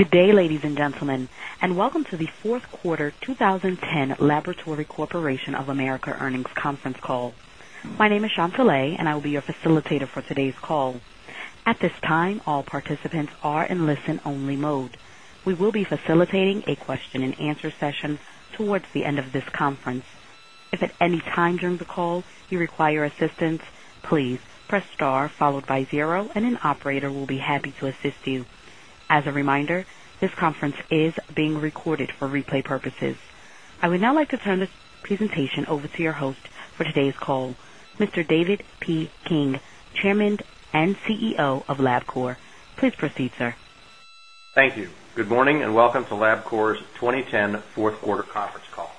Good day, ladies and gentlemen, and welcome to the fourth quarter 2010 Laboratory Corporation of America earnings conference call. My name is Shawn Fillet, and I will be your facilitator for today's call. At this time, all participants are in listen-only mode. We will be facilitating a question-and-answer session towards the end of this conference. If at any time during the call you require assistance, please press star followed by zero, and an operator will be happy to assist you. As a reminder, this conference is being recorded for replay purposes. I would now like to turn this presentation over to your host for today's call, Mr. David P. King, Chairman and CEO of Labcorp. Please proceed, sir. Thank you. Good morning, and welcome to Labcorp's 2010 fourth quarter conference call.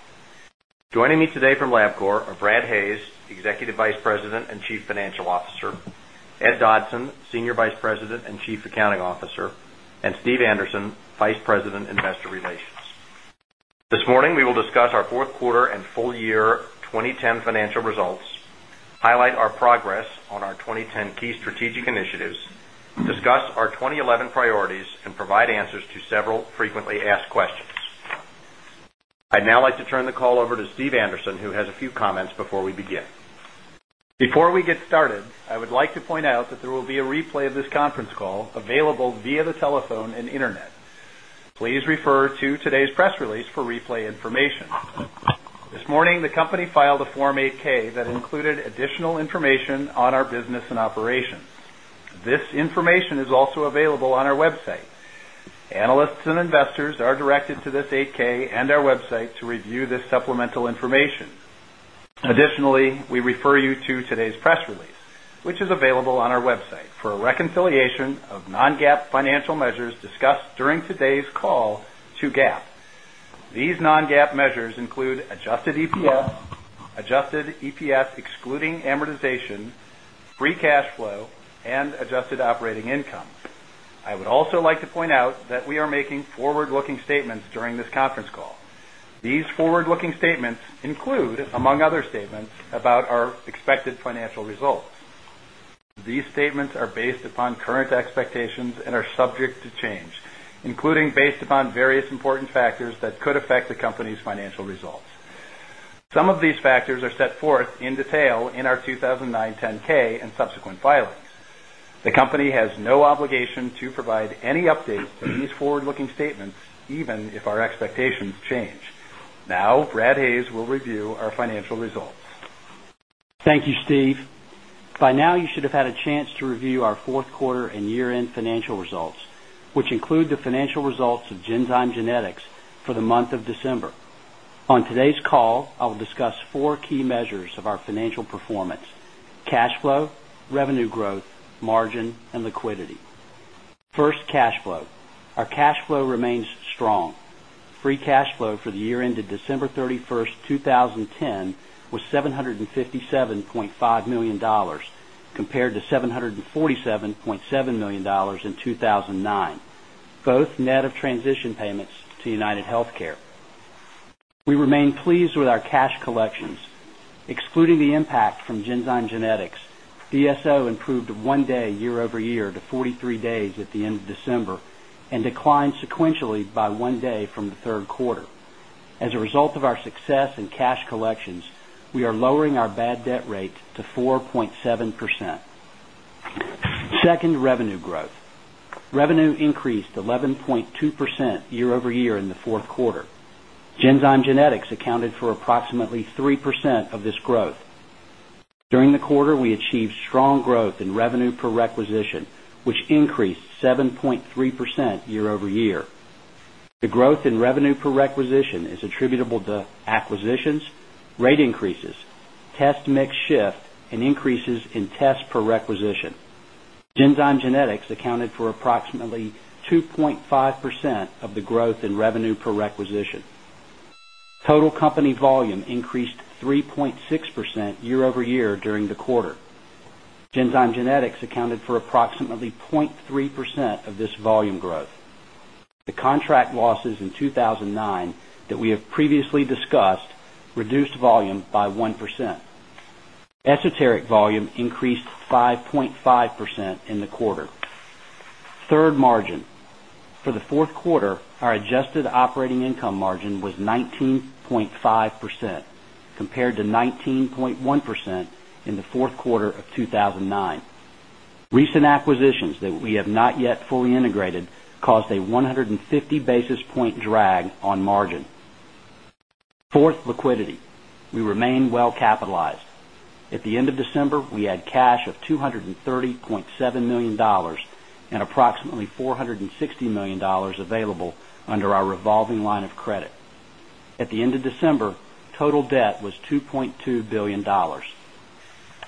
Joining me today from Labcorp are Brad Hayes, Executive Vice President and Chief Financial Officer; Ed Dodson, Senior Vice President and Chief Accounting Officer; and Steve Anderson, Vice President, Investor Relations. This morning, we will discuss our fourth quarter and full year 2010 financial results, highlight our progress on our 2010 key strategic initiatives, discuss our 2011 priorities, and provide answers to several frequently asked questions. I'd now like to turn the call over to Steve Anderson, who has a few comments before we begin. Before we get started, I would like to point out that there will be a replay of this conference call available via the telephone and internet. Please refer to today's press release for replay information. This morning, the company filed a Form 8-K that included additional information on our business and operations. This information is also available on our website. Analysts and investors are directed to this 8-K and our website to review this supplemental information. Additionally, we refer you to today's press release, which is available on our website for a reconciliation of non-GAAP financial measures discussed during today's call to GAAP. These non-GAAP measures include adjusted EPS, adjusted EPS excluding amortization, free cash flow, and adjusted operating income. I would also like to point out that we are making forward-looking statements during this conference call. These forward-looking statements include, among other statements, about our expected financial results. These statements are based upon current expectations and are subject to change, including based upon various important factors that could affect the company's financial results. Some of these factors are set forth in detail in our 2009 10-K and subsequent filings. The company has no obligation to provide any updates to these forward-looking statements, even if our expectations change. Now, Brad Hayes will review our financial results. Thank you, Steve. By now, you should have had a chance to review our fourth quarter and year-end financial results, which include the financial results of Genzyme Genetics for the month of December. On today's call, I will discuss four key measures of our financial performance: cash flow, revenue growth, margin, and liquidity. First, cash flow. Our cash flow remains strong. Free cash flow for the year ended December 31st, 2010, was $757.5 million compared to $747.7 million in 2009, both net of transition payments to UnitedHealthcare. We remain pleased with our cash collections. Excluding the impact from Genzyme Genetics, DSO improved one day year-over-year to 43 days at the end of December and declined sequentially by one day from the third quarter. As a result of our success in cash collections, we are lowering our bad debt rate to 4.7%. Second, revenue growth. Revenue increased 11.2% year-over-year in the fourth quarter. Genzyme Genetics accounted for approximately 3% of this growth. During the quarter, we achieved strong growth in revenue per requisition, which increased 7.3% year-over-year. The growth in revenue per requisition is attributable to acquisitions, rate increases, test mix shift, and increases in tests per requisition. Genzyme Genetics accounted for approximately 2.5% of the growth in revenue per requisition. Total company volume increased 3.6% year-over-year during the quarter. Genzyme Genetics accounted for approximately 0.3% of this volume growth. The contract losses in 2009 that we have previously discussed reduced volume by 1%. Esoteric volume increased 5.5% in the quarter. Third, margin. For the fourth quarter, our adjusted operating income margin was 19.5% compared to 19.1% in the fourth quarter of 2009. Recent acquisitions that we have not yet fully integrated caused a 150 basis point drag on margin. Fourth, liquidity. We remain well capitalized. At the end of December, we had cash of $230.7 million and approximately $460 million available under our revolving line of credit. At the end of December, total debt was $2.2 billion.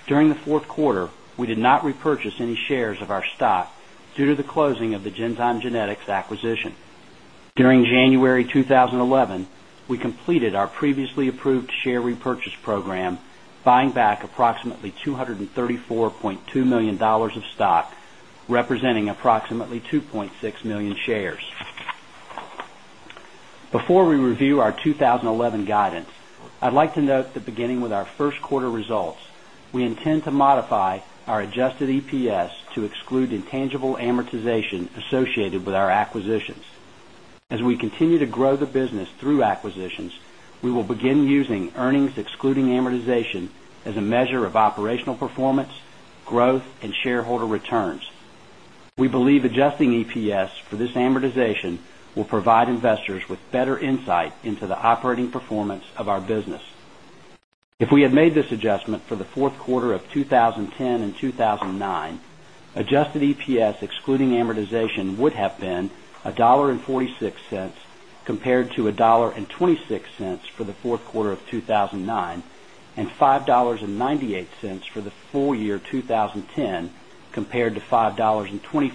During the fourth quarter, we did not repurchase any shares of our stock due to the closing of the Genzyme Genetics acquisition. During January 2011, we completed our previously approved share repurchase program, buying back approximately $234.2 million of stock, representing approximately 2.6 million shares. Before we review our 2011 guidance, I'd like to note that beginning with our first quarter results, we intend to modify our adjusted EPS to exclude intangible amortization associated with our acquisitions. As we continue to grow the business through acquisitions, we will begin using earnings excluding amortization as a measure of operational performance, growth, and shareholder returns. We believe adjusting EPS for this amortization will provide investors with better insight into the operating performance of our business. If we had made this adjustment for the fourth quarter of 2010 and 2009, adjusted EPS excluding amortization would have been $1.46 compared to $1.26 for the fourth quarter of 2009 and $5.98 for the full year 2010 compared to $5.24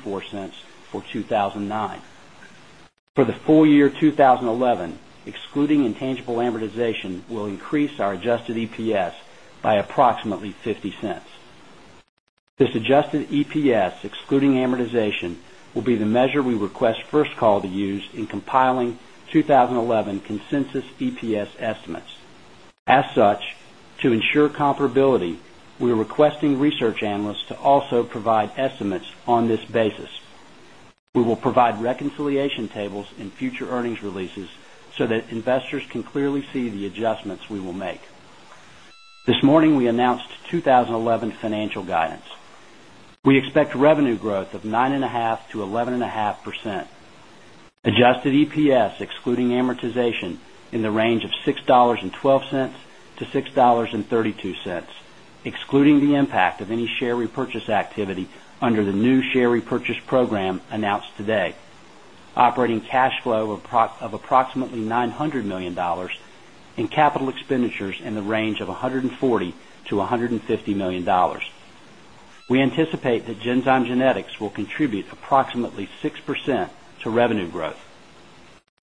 for 2009. For the full year 2011, excluding intangible amortization will increase our adjusted EPS by approximately $0.50. This adjusted EPS excluding amortization will be the measure we request First Call to use in compiling 2011 consensus EPS estimates. As such, to ensure comparability, we are requesting research analysts to also provide estimates on this basis. We will provide reconciliation tables in future earnings releases so that investors can clearly see the adjustments we will make. This morning, we announced 2011 financial guidance. We expect revenue growth of 9.5%-11.5%. Adjusted EPS excluding amortization in the range of $6.12-$6.32, excluding the impact of any share repurchase activity under the new share repurchase program announced today. Operating cash flow of approximately $900 million and capital expenditures in the range of $140-$150 million. We anticipate that Genzyme Genetics will contribute approximately 6% to revenue growth.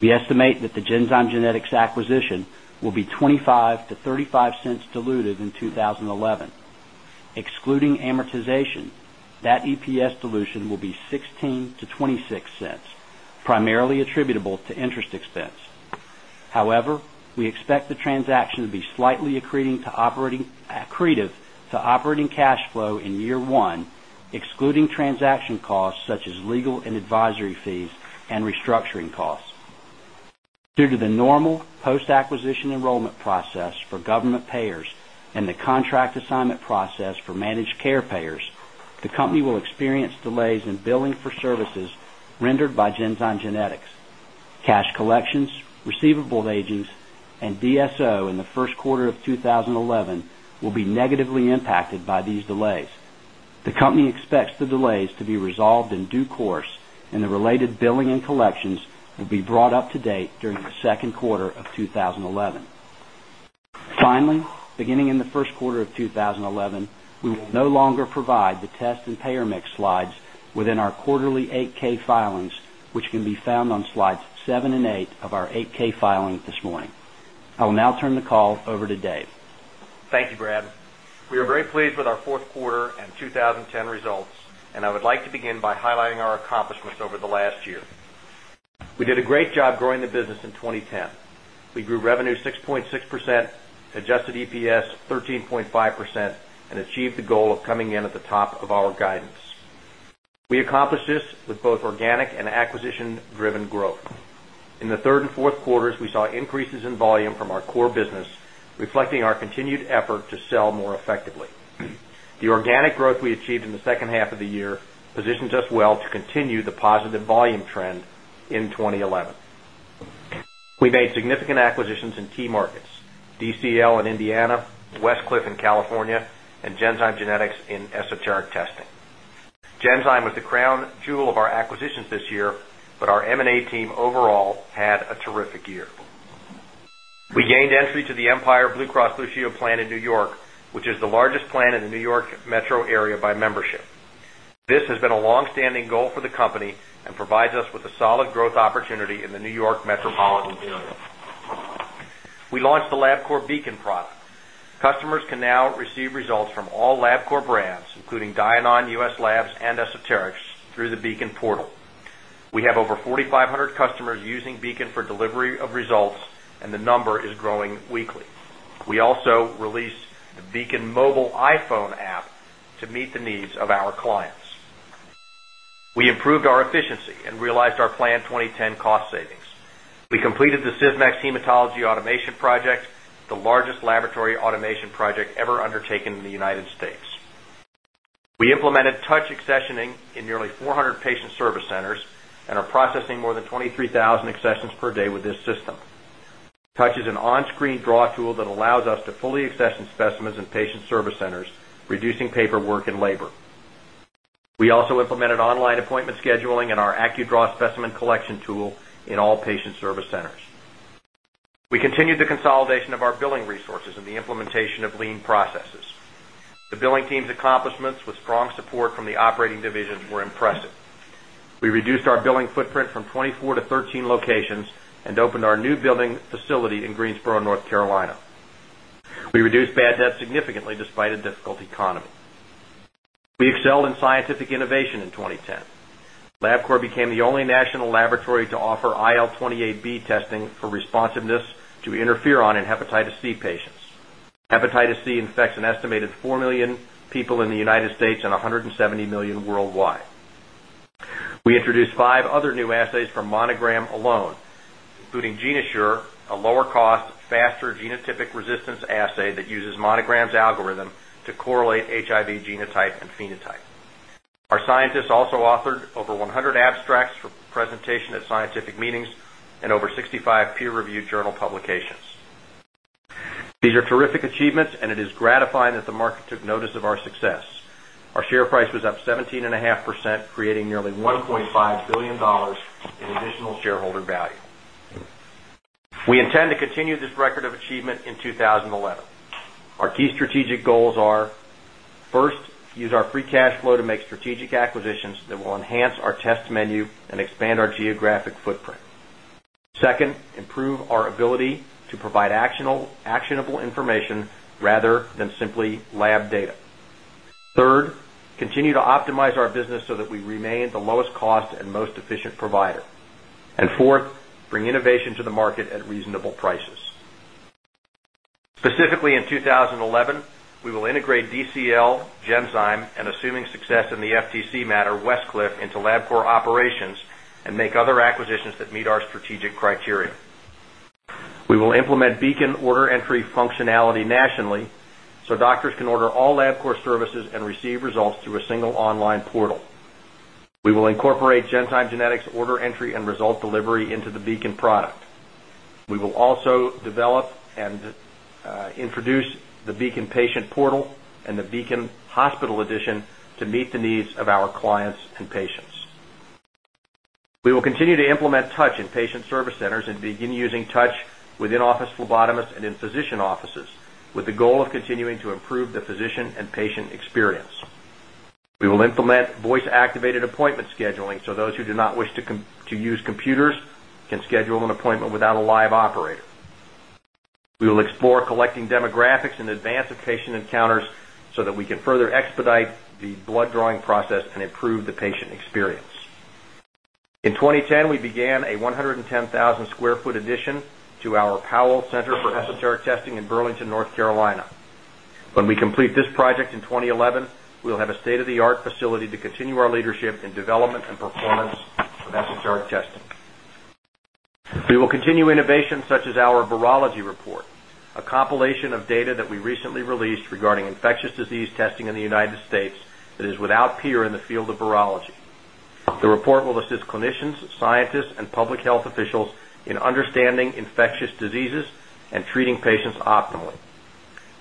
We estimate that the Genzyme Genetics acquisition will be $0.25-$0.35 diluted in 2011. Excluding amortization, that EPS dilution will be $0.16-$0.26, primarily attributable to interest expense. However, we expect the transaction to be slightly accretive to operating cash flow in year one, excluding transaction costs such as legal and advisory fees and restructuring costs. Due to the normal post-acquisition enrollment process for government payers and the contract assignment process for managed care payers, the company will experience delays in billing for services rendered by Genzyme Genetics. Cash collections, receivable agings, and DSO in the first quarter of 2011 will be negatively impacted by these delays. The company expects the delays to be resolved in due course, and the related billing and collections will be brought up to date during the second quarter of 2011. Finally, beginning in the first quarter of 2011, we will no longer provide the test and payer mix slides within our quarterly 8-K filings, which can be found on slides seven and eight of our 8-K filing this morning. I will now turn the call over to Dave. Thank you, Brad. We are very pleased with our fourth quarter and 2010 results, and I would like to begin by highlighting our accomplishments over the last year. We did a great job growing the business in 2010. We grew revenue 6.6%, adjusted EPS 13.5%, and achieved the goal of coming in at the top of our guidance. We accomplished this with both organic and acquisition-driven growth. In the third and fourth quarters, we saw increases in volume from our core business, reflecting our continued effort to sell more effectively. The organic growth we achieved in the second half of the year positions us well to continue the positive volume trend in 2011. We made significant acquisitions in key markets: DCL in Indiana, Westcliff in California, and Genzyme Genetics in Esoteric testing. Genzyme Genetics was the crown jewel of our acquisitions this year, but our M&A team overall had a terrific year. We gained entry to the Empire Blue Cross Blue Shield plan in New York, which is the largest plan in the New York metro area by membership. This has been a long-standing goal for the company and provides us with a solid growth opportunity in the New York metropolitan area. We launched the Labcorp Beacon product. Customers can now receive results from all Labcorp brands, including Dianon, US Labs, and Esoterics, through the Beacon portal. We have over 4,500 customers using Beacon for delivery of results, and the number is growing weekly. We also released the Beacon mobile iPhone app to meet the needs of our clients. We improved our efficiency and realized our planned 2010 cost savings. We completed the Sysmex Hematology Automation Project, the largest laboratory automation project ever undertaken in the United States. We implemented touch accessioning in nearly 400 patient service centers and are processing more than 23,000 accessions per day with this system. Touch is an on-screen draw tool that allows us to fully accession specimens in patient service centers, reducing paperwork and labor. We also implemented online appointment scheduling in our AccuDraw specimen collection tool in all patient service centers. We continued the consolidation of our billing resources and the implementation of lean processes. The billing team's accomplishments, with strong support from the operating divisions, were impressive. We reduced our billing footprint from 24 to 13 locations and opened our new billing facility in Greensboro, North Carolina. We reduced bad debt significantly despite a difficult economy. We excelled in scientific innovation in 2010. Labcorp became the only national laboratory to offer IL-28B testing for responsiveness to interferon in hepatitis C patients. Hepatitis C infects an estimated 4 million people in the United States and 170 million worldwide. We introduced five other new assays from Monogram alone, including GenoSure, a lower-cost, faster genotypic resistance assay that uses Monogram's algorithm to correlate HIV genotype and phenotype. Our scientists also authored over 100 abstracts for presentation at scientific meetings and over 65 peer-reviewed journal publications. These are terrific achievements, and it is gratifying that the market took notice of our success. Our share price was up 17.5%, creating nearly $1.5 billion in additional shareholder value. We intend to continue this record of achievement in 2011. Our key strategic goals are: first, use our free cash flow to make strategic acquisitions that will enhance our test menu and expand our geographic footprint. Second, improve our ability to provide actionable information rather than simply lab data. Third, continue to optimize our business so that we remain the lowest-cost and most efficient provider. Fourth, bring innovation to the market at reasonable prices. Specifically, in 2011, we will integrate DCL, Genzyme, and, assuming success in the FTC matter, Westcliff, into Labcorp operations and make other acquisitions that meet our strategic criteria. We will implement Beacon order entry functionality nationally so doctors can order all Labcorp services and receive results through a single online portal. We will incorporate Genzyme Genetics order entry and result delivery into the Beacon product. We will also develop and introduce the Beacon patient portal and the Beacon hospital edition to meet the needs of our clients and patients. We will continue to implement touch in patient service centers and begin using touch with in-office phlebotomists and in-physician offices, with the goal of continuing to improve the physician and patient experience. We will implement voice-activated appointment scheduling so those who do not wish to use computers can schedule an appointment without a live operator. We will explore collecting demographics in advance of patient encounters so that we can further expedite the blood drawing process and improve the patient experience. In 2010, we began a 110,000 sq ft addition to our Powell Center for Esoteric Testing in Burlington, North Carolina. When we complete this project in 2011, we will have a state-of-the-art facility to continue our leadership in development and performance of Esoteric testing. We will continue innovations such as our virology report, a compilation of data that we recently released regarding infectious disease testing in the U.S. that is without peer in the field of virology. The report will assist clinicians, scientists, and public health officials in understanding infectious diseases and treating patients optimally.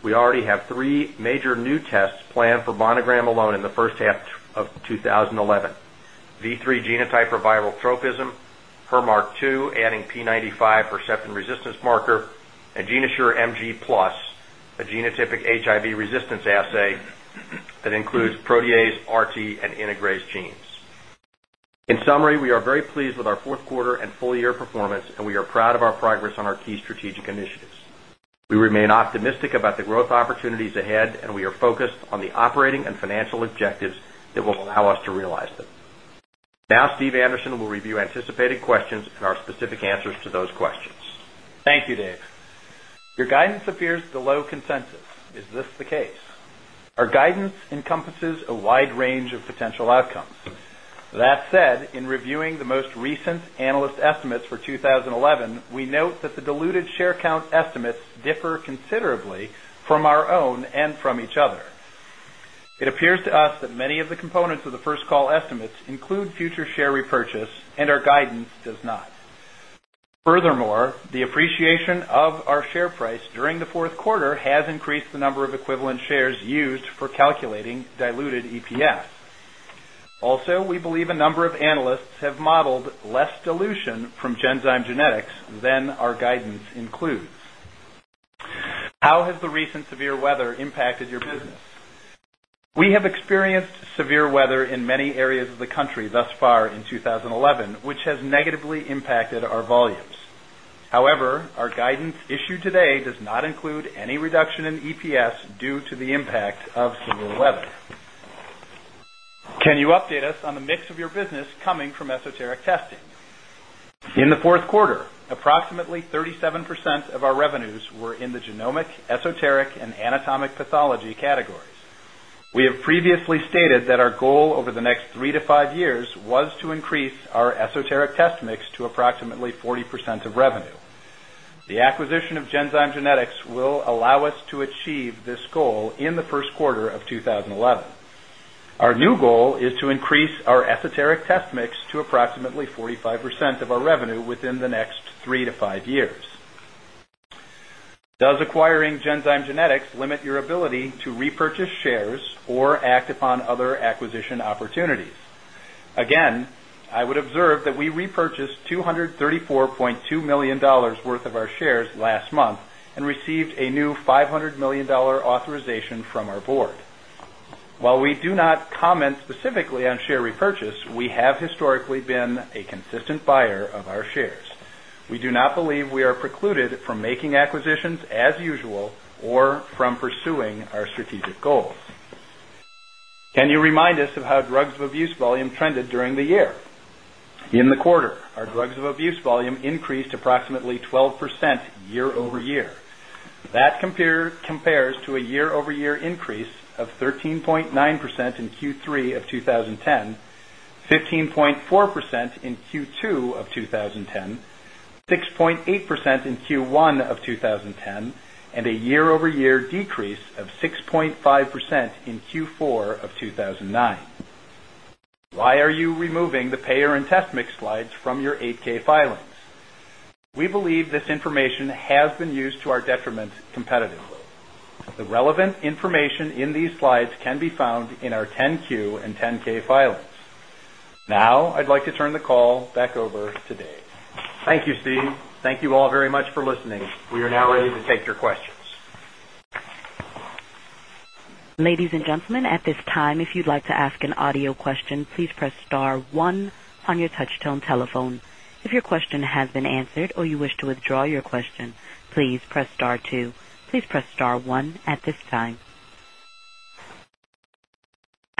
We already have three major new tests planned for Monogram alone in the first half of 2011: V3 genotype for viral tropism, Permark 2 adding P95 for septin resistance marker, and GenoSure MG Plus, a genotypic HIV resistance assay that includes protease, RT, and integrase genes. In summary, we are very pleased with our fourth quarter and full year performance, and we are proud of our progress on our key strategic initiatives. We remain optimistic about the growth opportunities ahead, and we are focused on the operating and financial objectives that will allow us to realize them. Now, Steve Anderson will review anticipated questions and our specific answers to those questions. Thank you, Dave. Your guidance appears below consensus. Is this the case? Our guidance encompasses a wide range of potential outcomes. That said, in reviewing the most recent analyst estimates for 2011, we note that the diluted share count estimates differ considerably from our own and from each other. It appears to us that many of the components of the First Call estimates include future share repurchase, and our guidance does not. Furthermore, the appreciation of our share price during the fourth quarter has increased the number of equivalent shares used for calculating diluted EPS. Also, we believe a number of analysts have modeled less dilution from Genzyme Genetics than our guidance includes. How has the recent severe weather impacted your business? We have experienced severe weather in many areas of the country thus far in 2011, which has negatively impacted our volumes. However, our guidance issued today does not include any reduction in EPS due to the impact of severe weather. Can you update us on the mix of your business coming from Esoteric testing? In the fourth quarter, approximately 37% of our revenues were in the Genomic, Esoteric, and Anatomic Pathology categories. We have previously stated that our goal over the next three to five years was to increase our Esoteric test mix to approximately 40% of revenue. The acquisition of Genzyme Genetics will allow us to achieve this goal in the first quarter of 2011. Our new goal is to increase our Esoteric test mix to approximately 45% of our revenue within the next three to five years. Does acquiring Genzyme Genetics limit your ability to repurchase shares or act upon other acquisition opportunities? Again, I would observe that we repurchased $234.2 million worth of our shares last month and received a new $500 million authorization from our board. While we do not comment specifically on share repurchase, we have historically been a consistent buyer of our shares. We do not believe we are precluded from making acquisitions as usual or from pursuing our strategic goals. Can you remind us of how drugs of abuse volume trended during the year? In the quarter, our drugs of abuse volume increased approximately 12% year over year. That compares to a year-over-year increase of 13.9% in Q3 of 2010, 15.4% in Q2 of 2010, 6.8% in Q1 of 2010, and a year-over-year decrease of 6.5% in Q4 of 2009. Why are you removing the payer and test mix slides from your 8-K filings? We believe this information has been used to our detriment competitively. The relevant information in these slides can be found in our 10-Q and 10-K filings. Now, I'd like to turn the call back over to Dave. Thank you, Steve. Thank you all very much for listening. We are now ready to take your questions. Ladies and gentlemen, at this time, if you'd like to ask an audio question, please press star one on your touchstone telephone. If your question has been answered or you wish to withdraw your question, please press star two. Please press star one at this time.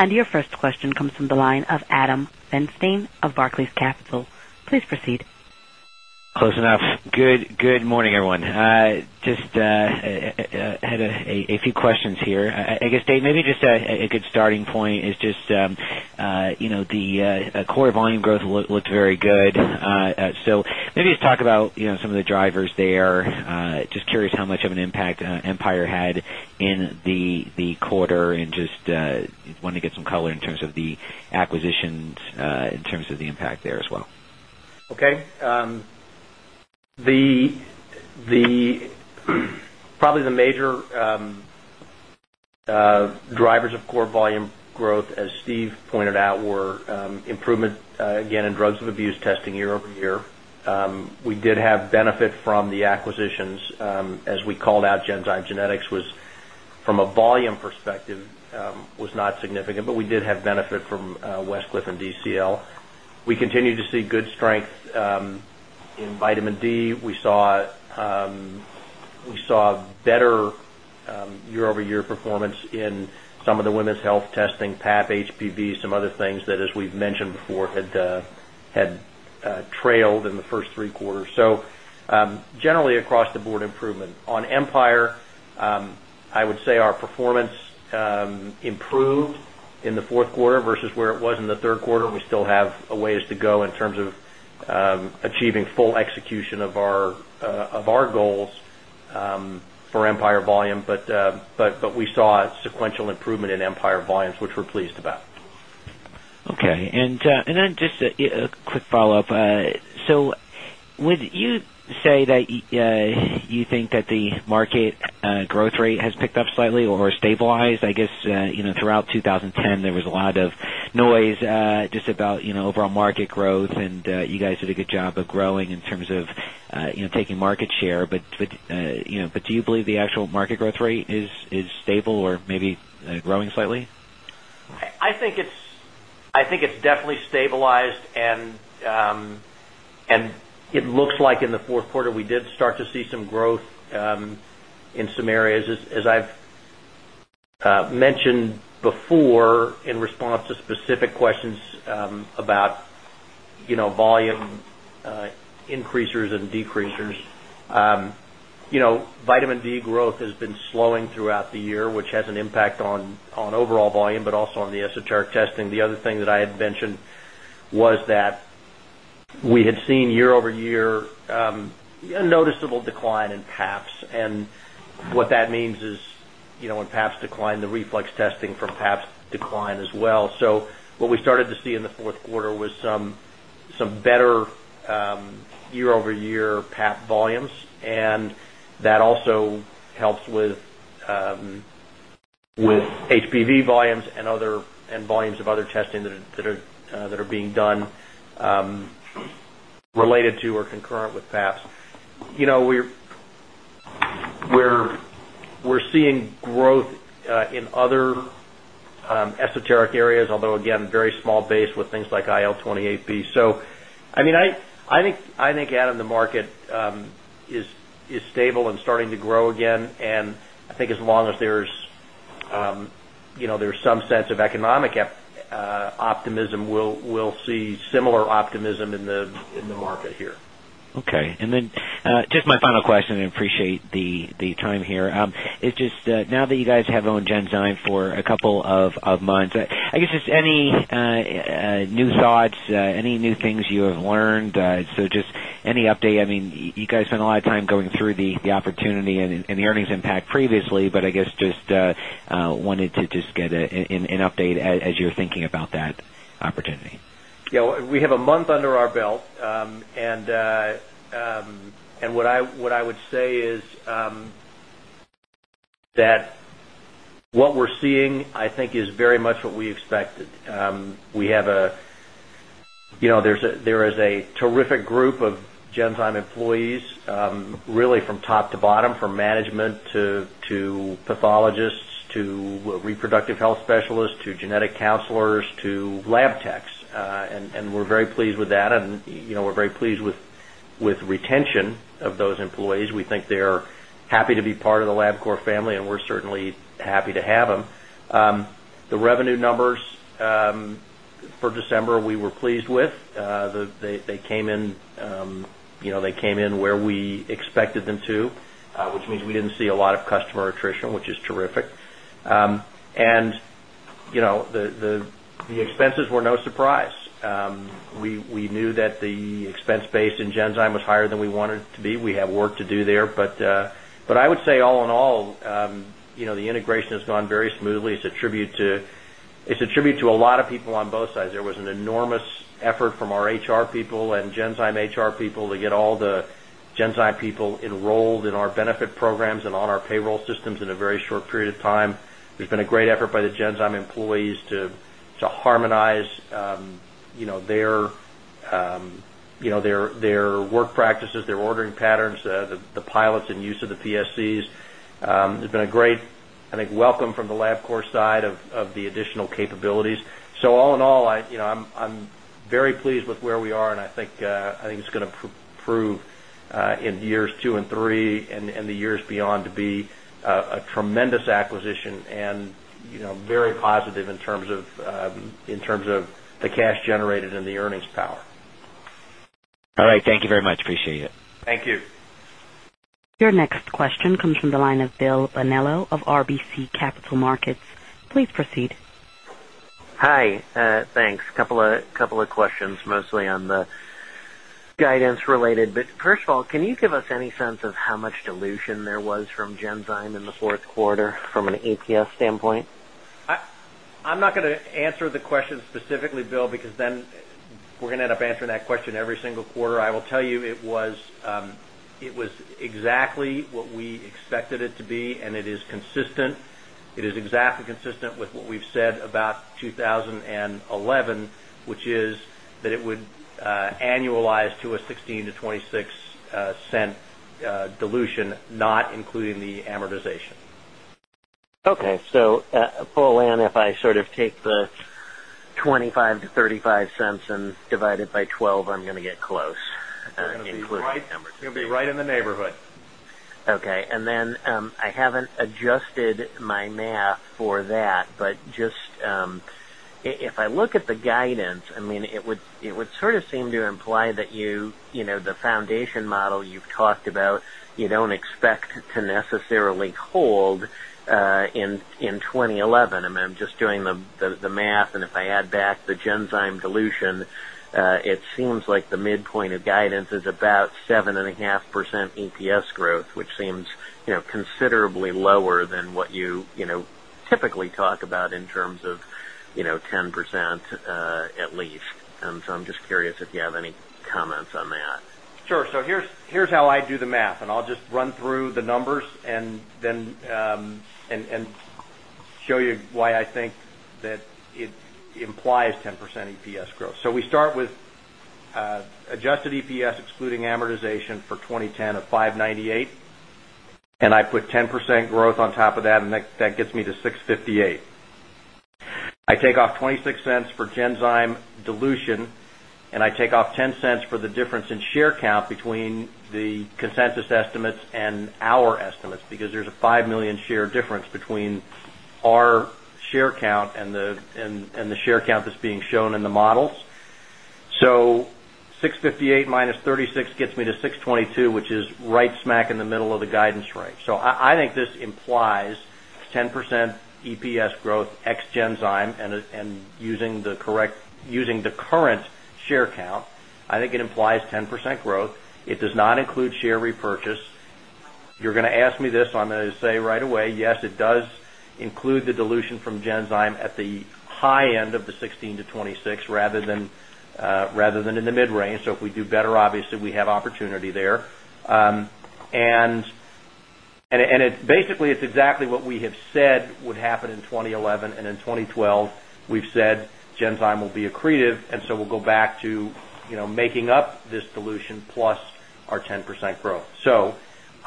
Your first question comes from the line of Adam Feinstein of Barclays Capital. Please proceed. Close enough. Good morning, everyone. Just had a few questions here. I guess, Dave, maybe just a good starting point is just the core volume growth looked very good. Maybe just talk about some of the drivers there. Just curious how much of an impact Empire had in the quarter, and just wanted to get some color in terms of the acquisitions in terms of the impact there as well. Okay. Probably the major drivers of core volume growth, as Steve pointed out, were improvement, again, in drugs of abuse testing year over year. We did have benefit from the acquisitions as we called out. Genzyme Genetics, from a volume perspective, was not significant, but we did have benefit from Westcliff and DCL. We continued to see good strength in vitamin D. We saw better year-over-year performance in some of the women's health testing, Pap, HPV, some other things that, as we've mentioned before, had trailed in the first three quarters. Generally, across the board, improvement. On Empire, I would say our performance improved in the fourth quarter versus where it was in the third quarter. We still have a ways to go in terms of achieving full execution of our goals for Empire volume, but we saw sequential improvement in Empire volumes, which we're pleased about. Okay. And then just a quick follow-up. Would you say that you think that the market growth rate has picked up slightly or stabilized? I guess throughout 2010, there was a lot of noise just about overall market growth, and you guys did a good job of growing in terms of taking market share. Do you believe the actual market growth rate is stable or maybe growing slightly? I think it's definitely stabilized, and it looks like in the fourth quarter, we did start to see some growth in some areas. As I've mentioned before in response to specific questions about volume increasers and decreasers, vitamin D growth has been slowing throughout the year, which has an impact on overall volume but also on the esoteric testing. The other thing that I had mentioned was that we had seen year-over-year a noticeable decline in Paps. And what that means is when Paps decline, the reflex testing from Paps decline as well. What we started to see in the fourth quarter was some better year-over-year Pap volumes, and that also helps with HPV volumes and volumes of other testing that are being done related to or concurrent with Paps. We're seeing growth in other Esoteric areas, although again, very small base with things like IL-28B. I mean, I think, Adam, the market is stable and starting to grow again. I think as long as there's some sense of economic optimism, we'll see similar optimism in the market here. Okay. And then just my final question. I appreciate the time here. Now that you guys have owned Genzyme for a couple of months, I guess just any new thoughts, any new things you have learned? Just any update. I mean, you guys spent a lot of time going through the opportunity and the earnings impact previously, but I guess just wanted to just get an update as you're thinking about that opportunity. Yeah. We have a month under our belt. What I would say is that what we're seeing, I think, is very much what we expected. There is a terrific group of Genzyme employees, really from top to bottom, from management to pathologists to reproductive health specialists to genetic counselors to lab techs. We're very pleased with that. We're very pleased with retention of those employees. We think they're happy to be part of the Labcorp family, and we're certainly happy to have them. The revenue numbers for December we were pleased with. They came in where we expected them to, which means we did not see a lot of customer attrition, which is terrific. The expenses were no surprise. We knew that the expense base in Genzyme was higher than we wanted it to be. We have work to do there. I would say, all in all, the integration has gone very smoothly. It's a tribute to a lot of people on both sides. There was an enormous effort from our HR people and Genzyme HR people to get all the Genzyme people enrolled in our benefit programs and on our payroll systems in a very short period of time. There's been a great effort by the Genzyme employees to harmonize their work practices, their ordering patterns, the pilots, and use of the PSCs. There's been a great, I think, welcome from the Labcorp side of the additional capabilities. All in all, I'm very pleased with where we are, and I think it's going to prove in years two and three and the years beyond to be a tremendous acquisition and very positive in terms of the cash generated and the earnings power. All right. Thank you very much. Appreciate it. Thank you. Your next question comes from the line of Bill Vanello of RBC Capital Markets. Please proceed. Hi. Thanks. A couple of questions, mostly on the guidance related. First of all, can you give us any sense of how much dilution there was from Genzyme in the fourth quarter from an APS standpoint? I'm not going to answer the question specifically, Bill, because then we're going to end up answering that question every single quarter. I will tell you it was exactly what we expected it to be, and it is consistent. It is exactly consistent with what we've said about 2011, which is that it would annualize to a $0.16-$0.26 dilution, not including the amortization. Okay. So, pull in if I sort of take the $0.25-$0.35 and divide it by 12, I'm going to get close. You're going to be right. You're going to be right in the neighborhood. Okay. And then I haven't adjusted my math for that, but just if I look at the guidance, I mean, it would sort of seem to imply that the foundation model you've talked about, you don't expect to necessarily hold in 2011. I mean, I'm just doing the math, and if I add back the Genzyme dilution, it seems like the midpoint of guidance is about 7.5% EPS growth, which seems considerably lower than what you typically talk about in terms of 10% at least. I'm just curious if you have any comments on that. Sure. So here's how I do the math, and I'll just run through the numbers and show you why I think that it implies 10% EPS growth. We start with adjusted EPS excluding amortization for 2010 of $5.98, and I put 10% growth on top of that, and that gets me to $6.58. I take off $0.26 for Genzyme dilution, and I take off $0.10 for the difference in share count between the consensus estimates and our estimates because there's a 5 million share difference between our share count and the share count that's being shown in the models. $6.58 minus $0.36 gets me to $6.22, which is right smack in the middle of the guidance range. I think this implies 10% EPS growth ex Genzyme and using the current share count. I think it implies 10% growth. It does not include share repurchase. You're going to ask me this, so I'm going to say right away, yes, it does include the dilution from Genzyme at the high end of the 16-26 rather than in the mid-range. If we do better, obviously, we have opportunity there. Basically, it's exactly what we have said would happen in 2011. In 2012, we've said Genzyme will be accretive, and we will go back to making up this dilution plus our 10% growth.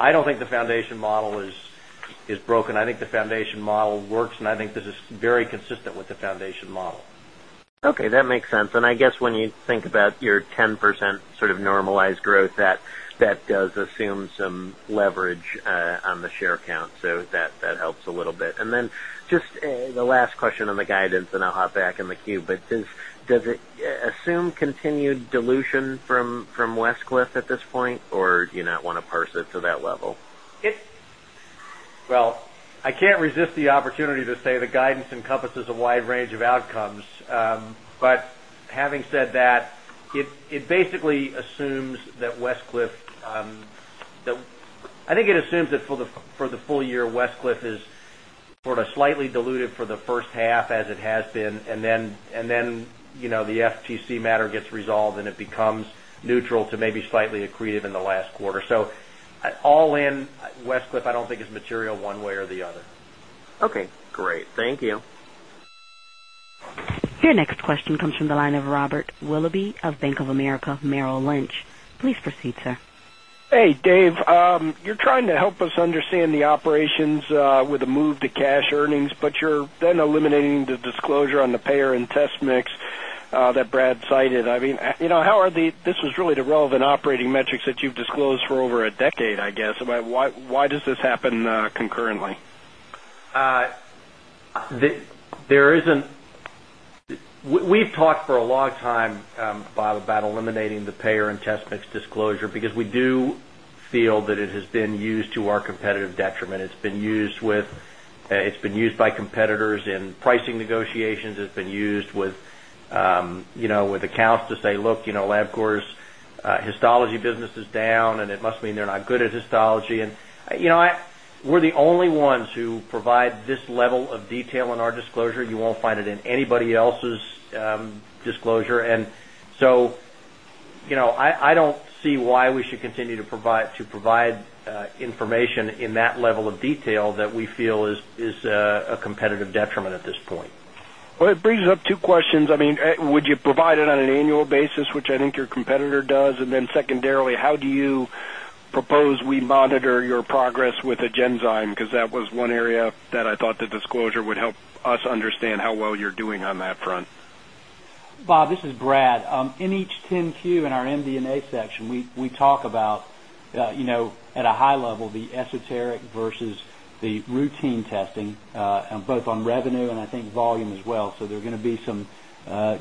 I don't think the foundation model is broken. I think the foundation model works, and I think this is very consistent with the foundation model. Okay. That makes sense. I guess when you think about your 10% sort of normalized growth, that does assume some leverage on the share count. That helps a little bit. Just the last question on the guidance, and I'll hop back in the queue. Does it assume continued dilution from Westcliff at this point, or do you not want to purse it to that level? I can't resist the opportunity to say the guidance encompasses a wide range of outcomes. But having said that, it basically assumes that Westcliff, I think it assumes that for the full year, Westcliff is sort of slightly diluted for the first half as it has been. And then the FTC matter gets resolved, and it becomes neutral to maybe slightly accretive in the last quarter. So all in, Westcliff, I don't think is material one way or the other. Okay. Great. Thank you. Your next question comes from the line of Robert Willoughby of Bank of America Merrill Lynch. Please proceed, sir. Hey, Dave. You're trying to help us understand the operations with a move to cash earnings, but you're then eliminating the disclosure on the payer and test mix that Brad cited. I mean, how are the—this was really the relevant operating metrics that you've disclosed for over a decade, I guess. Why does this happen concurrently? There isn't we've talked for a long time, Bob, about eliminating the payer and test mix disclosure because we do feel that it has been used to our competitive detriment. It's been used by competitors in pricing negotiations. It's been used with accounts to say, "Look, Labcorp's histology business is down, and it must mean they're not good at histology." We're the only ones who provide this level of detail in our disclosure. You won't find it in anybody else's disclosure. I don't see why we should continue to provide information in that level of detail that we feel is a competitive detriment at this point. It brings up two questions. I mean, would you provide it on an annual basis, which I think your competitor does? And then secondarily, how do you propose we monitor your progress with Genzyme? Because that was one area that I thought the disclosure would help us understand how well you're doing on that front. Bob, this is Brad. In each 10-Q in our MD&A section, we talk about, at a high level, the esoteric versus the routine testing both on revenue and I think volume as well. There are going to be some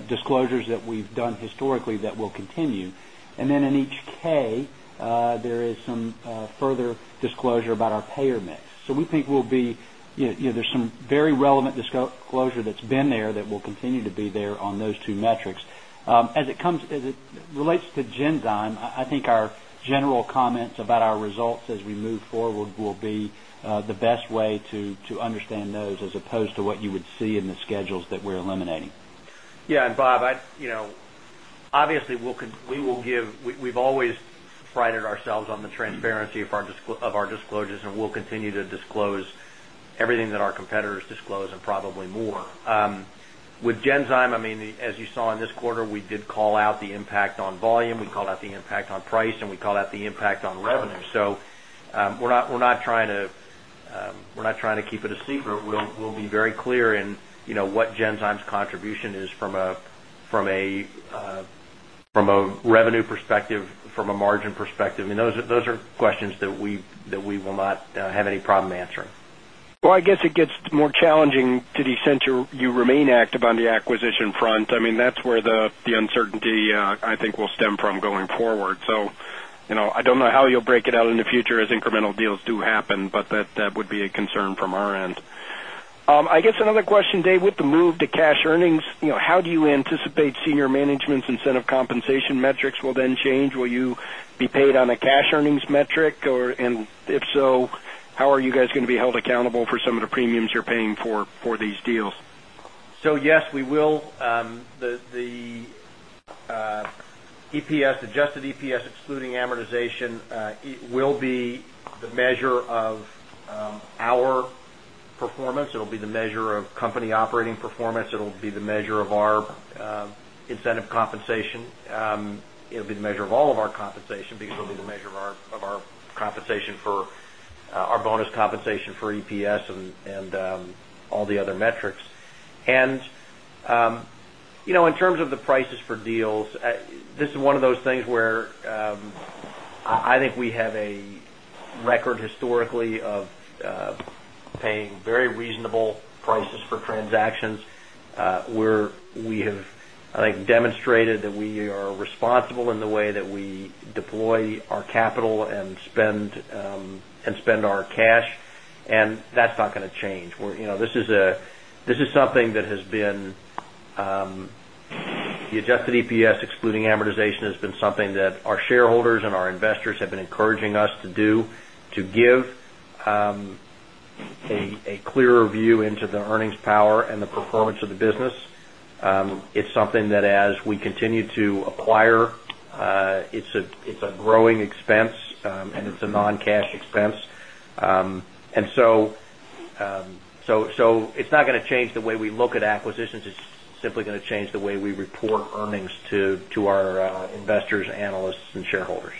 disclosures that we've done historically that will continue. In each 10-K, there is some further disclosure about our payer mix. We think there is some very relevant disclosure that's been there that will continue to be there on those two metrics. As it relates to Genzyme Genetics, I think our general comments about our results as we move forward will be the best way to understand those as opposed to what you would see in the schedules that we're eliminating. Yeah. Bob, obviously, we will give, we have always prided ourselves on the transparency of our disclosures, and we will continue to disclose everything that our competitors disclose and probably more. With Genzyme, I mean, as you saw in this quarter, we did call out the impact on volume. We called out the impact on price, and we called out the impact on revenue. We are not trying to keep it a secret. We will be very clear in what Genzyme's contribution is from a revenue perspective, from a margin perspective. Those are questions that we will not have any problem answering. I guess it gets more challenging to the extent you remain active on the acquisition front. I mean, that's where the uncertainty I think will stem from going forward. I don't know how you'll break it out in the future as incremental deals do happen, but that would be a concern from our end. I guess another question, Dave. With the move to cash earnings, how do you anticipate senior management's incentive compensation metrics will then change? Will you be paid on a cash earnings metric? If so, how are you guys going to be held accountable for some of the premiums you're paying for these deals? Yes, we will. The EPS, adjusted EPS excluding amortization, will be the measure of our performance. It'll be the measure of company operating performance. It'll be the measure of our incentive compensation. It'll be the measure of all of our compensation because it'll be the measure of our compensation for our bonus compensation for EPS and all the other metrics. In terms of the prices for deals, this is one of those things where I think we have a record historically of paying very reasonable prices for transactions. We have, I think, demonstrated that we are responsible in the way that we deploy our capital and spend our cash. That's not going to change. This is something that has been the adjusted EPS excluding amortization has been something that our shareholders and our investors have been encouraging us to do to give a clearer view into the earnings power and the performance of the business. It is something that as we continue to acquire, it is a growing expense, and it is a non-cash expense. It is not going to change the way we look at acquisitions. It is simply going to change the way we report earnings to our investors, analysts, and shareholders.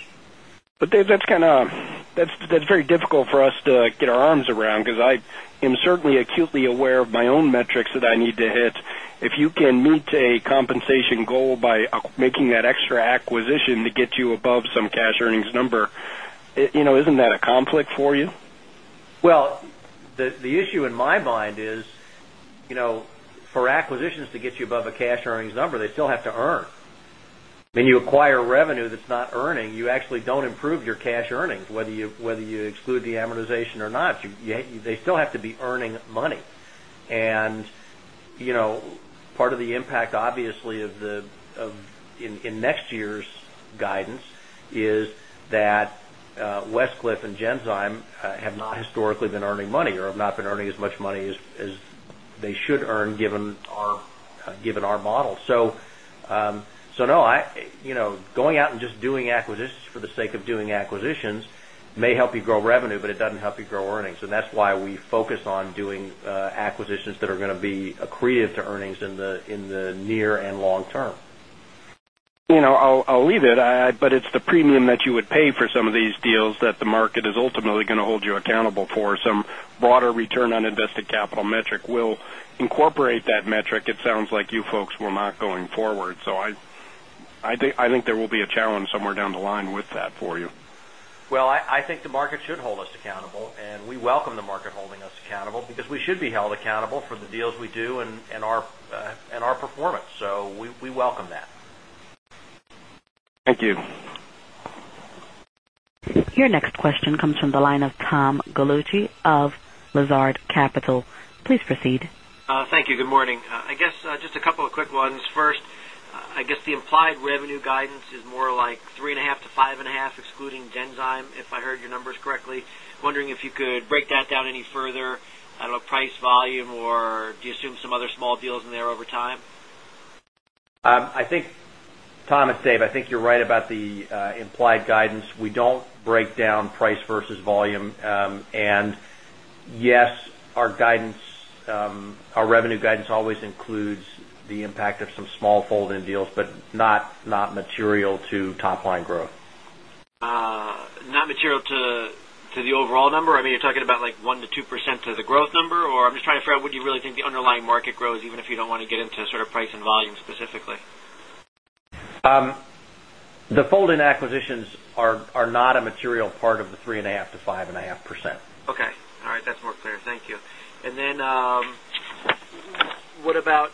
Dave, that's kind of that's very difficult for us to get our arms around because I am certainly acutely aware of my own metrics that I need to hit. If you can meet a compensation goal by making that extra acquisition to get you above some cash earnings number, isn't that a conflict for you? The issue in my mind is for acquisitions to get you above a cash earnings number, they still have to earn. When you acquire revenue that's not earning, you actually don't improve your cash earnings, whether you exclude the amortization or not. They still have to be earning money. Part of the impact, obviously, in next year's guidance is that Westcliff and Genzyme have not historically been earning money or have not been earning as much money as they should earn given our model. No, going out and just doing acquisitions for the sake of doing acquisitions may help you grow revenue, but it doesn't help you grow earnings. That's why we focus on doing acquisitions that are going to be accretive to earnings in the near and long term. I'll leave it, but it's the premium that you would pay for some of these deals that the market is ultimately going to hold you accountable for. Some broader return on invested capital metric will incorporate that metric. It sounds like you folks will not going forward. I think there will be a challenge somewhere down the line with that for you. I think the market should hold us accountable, and we welcome the market holding us accountable because we should be held accountable for the deals we do and our performance. We welcome that. Thank you. Your next question comes from the line of Tom Gallucci of Lazard Capital. Please proceed. Thank you. Good morning. I guess just a couple of quick ones. First, I guess the implied revenue guidance is more like 3.5-5.5, excluding Genzyme, if I heard your numbers correctly. Wondering if you could break that down any further. I do not know, price, volume, or do you assume some other small deals in there over time? I think, Tom. It's Dave, I think you're right about the implied guidance. We don't break down price versus volume. Yes, our revenue guidance always includes the impact of some small fold-in deals, but not material to top-line growth. Not material to the overall number? I mean, you're talking about like 1%-2% to the growth number, or? I'm just trying to figure out what you really think the underlying market grows, even if you don't want to get into sort of price and volume specifically. The fold-in acquisitions are not a material part of the 3.5%-5.5%. Okay. All right. That's more clear. Thank you. And then what about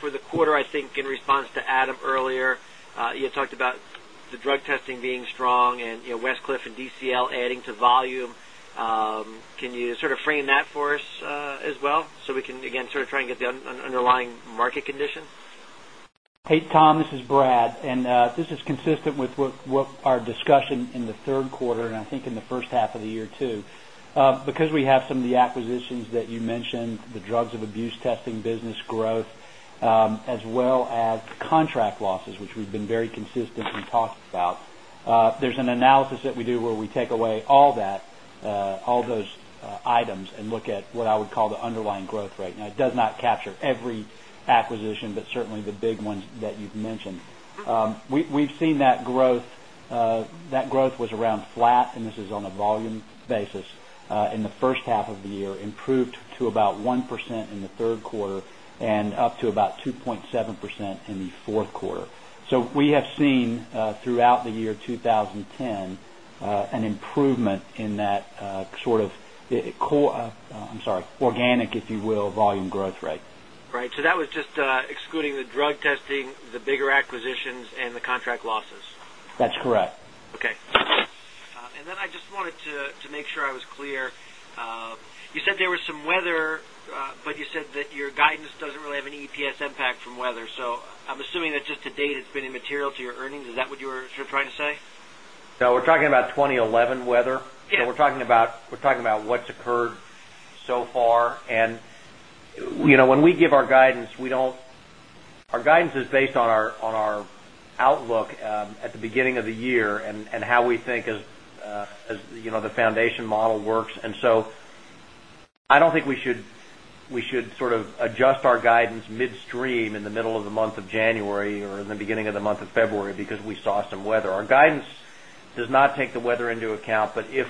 for the quarter, I think in response to Adam earlier, you talked about the drug testing being strong and Westcliff and DCL adding to volume. Can you sort of frame that for us as well, so we can, again, sort of try and get the underlying market condition? Hey, Tom, this is Brad. This is consistent with our discussion in the third quarter and I think in the first half of the year too. Because we have some of the acquisitions that you mentioned, the drugs of abuse testing business growth, as well as contract losses, which we've been very consistent in talking about, there's an analysis that we do where we take away all those items and look at what I would call the underlying growth rate. Now, it does not capture every acquisition, but certainly the big ones that you've mentioned. We've seen that growth was around flat, and this is on a volume basis in the first half of the year, improved to about 1% in the third quarter, and up to about 2.7% in the fourth quarter. We have seen throughout the year 2010 an improvement in that sort of, I'm sorry, organic, if you will, volume growth rate. Right. So that was just excluding the drug testing, the bigger acquisitions, and the contract losses. That's correct. Okay. I just wanted to make sure I was clear. You said there was some weather, but you said that your guidance does not really have any EPS impact from weather. I am assuming that just to date, it has been immaterial to your earnings. Is that what you were sort of trying to say? No. We're talking about 2011 weather. So we're talking about what's occurred so far. And when we give our guidance, our guidance is based on our outlook at the beginning of the year and how we think as the foundation model works. And so I don't think we should sort of adjust our guidance midstream in the middle of the month of January or in the beginning of the month of February because we saw some weather. Our guidance does not take the weather into account, but if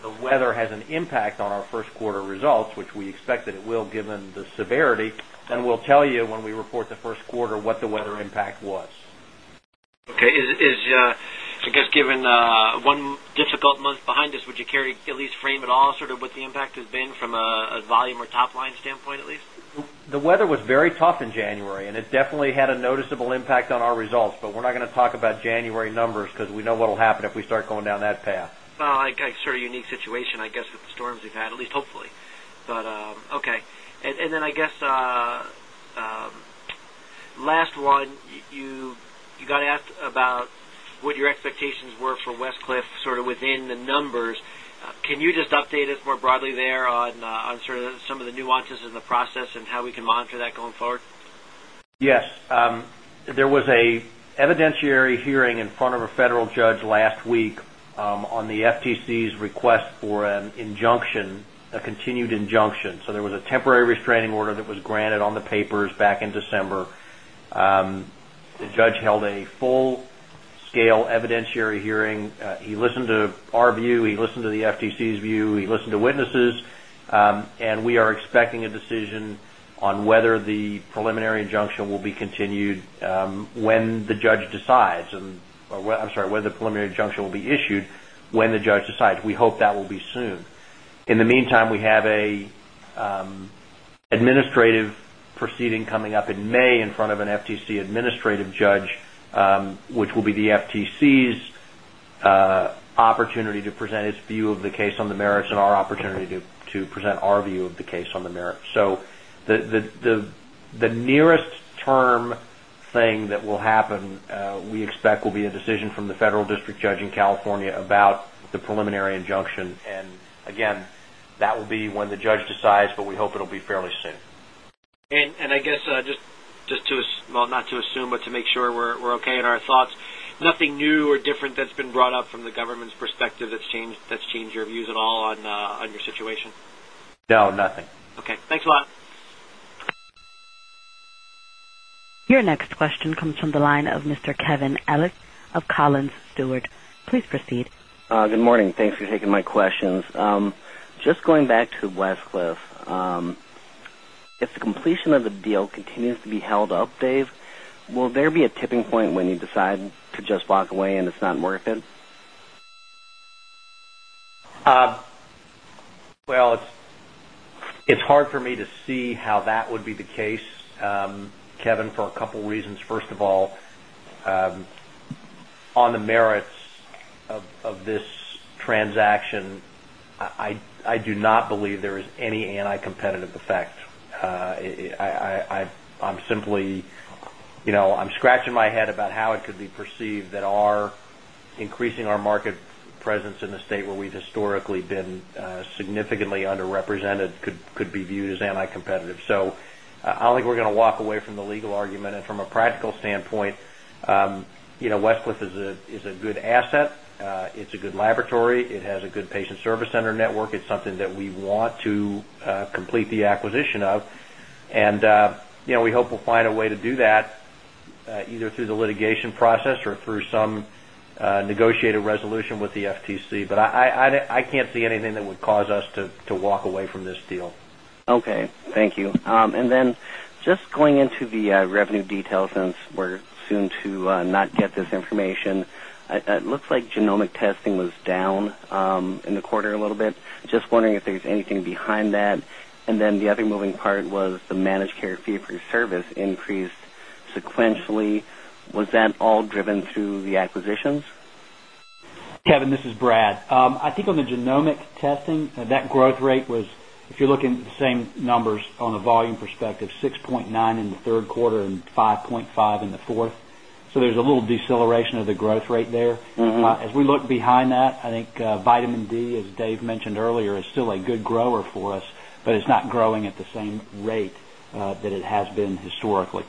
the weather has an impact on our first quarter results, which we expect that it will given the severity, then we'll tell you when we report the first quarter what the weather impact was. Okay. I guess given one difficult month behind us, would you at least frame at all sort of what the impact has been from a volume or top-line standpoint at least? The weather was very tough in January, and it definitely had a noticeable impact on our results. We are not going to talk about January numbers because we know what will happen if we start going down that path. I guess sort of unique situation, I guess, with the storms we've had, at least hopefully. Okay. I guess last one, you got asked about what your expectations were for Westcliff sort of within the numbers. Can you just update us more broadly there on sort of some of the nuances in the process and how we can monitor that going forward? Yes. There was an evidentiary hearing in front of a federal judge last week on the FTC's request for an injunction, a continued injunction. There was a temporary restraining order that was granted on the papers back in December. The judge held a full-scale evidentiary hearing. He listened to our view. He listened to the FTC's view. He listened to witnesses. We are expecting a decision on whether the preliminary injunction will be continued when the judge decides, or, I'm sorry, when the preliminary injunction will be issued when the judge decides. We hope that will be soon. In the meantime, we have an administrative proceeding coming up in May in front of an FTC administrative judge, which will be the FTC's opportunity to present its view of the case on the merits and our opportunity to present our view of the case on the merits. The nearest term thing that will happen, we expect will be a decision from the federal district judge in California about the preliminary injunction. Again, that will be when the judge decides, but we hope it'll be fairly soon. I guess just to, well, not to assume, but to make sure we're okay in our thoughts, nothing new or different that's been brought up from the government's perspective that's changed your views at all on your situation? No. Nothing. Okay. Thanks a lot. Your next question comes from the line of Mr. Kevin Ellis of Collins Stewart. Please proceed. Good morning. Thanks for taking my questions. Just going back to Westcliff, if the completion of the deal continues to be held up, Dave, will there be a tipping point when you decide to just walk away, and it's not worth it? It's hard for me to see how that would be the case, Kevin, for a couple of reasons. First of all, on the merits of this transaction, I do not believe there is any anti-competitive effect. I'm simply scratching my head about how it could be perceived that increasing our market presence in the state where we've historically been significantly underrepresented could be viewed as anti-competitive. I don't think we're going to walk away from the legal argument. From a practical standpoint, Westcliff is a good asset. It's a good laboratory. It has a good patient service center network. It's something that we want to complete the acquisition of. We hope we'll find a way to do that either through the litigation process or through some negotiated resolution with the FTC. I can't see anything that would cause us to walk away from this deal. Okay. Thank you. Just going into the revenue details since we're soon to not get this information, it looks like genomic testing was down in the quarter a little bit. Just wondering if there's anything behind that. The other moving part was the managed care fee for service increased sequentially. Was that all driven through the acquisitions? Kevin, this is Brad. I think on the genomic testing, that growth rate was, if you're looking at the same numbers on a volume perspective, 6.9 in the third quarter and 5.5 in the fourth. There is a little deceleration of the growth rate there. As we look behind that, I think vitamin D, as Dave mentioned earlier, is still a good grower for us, but it's not growing at the same rate that it has been historically.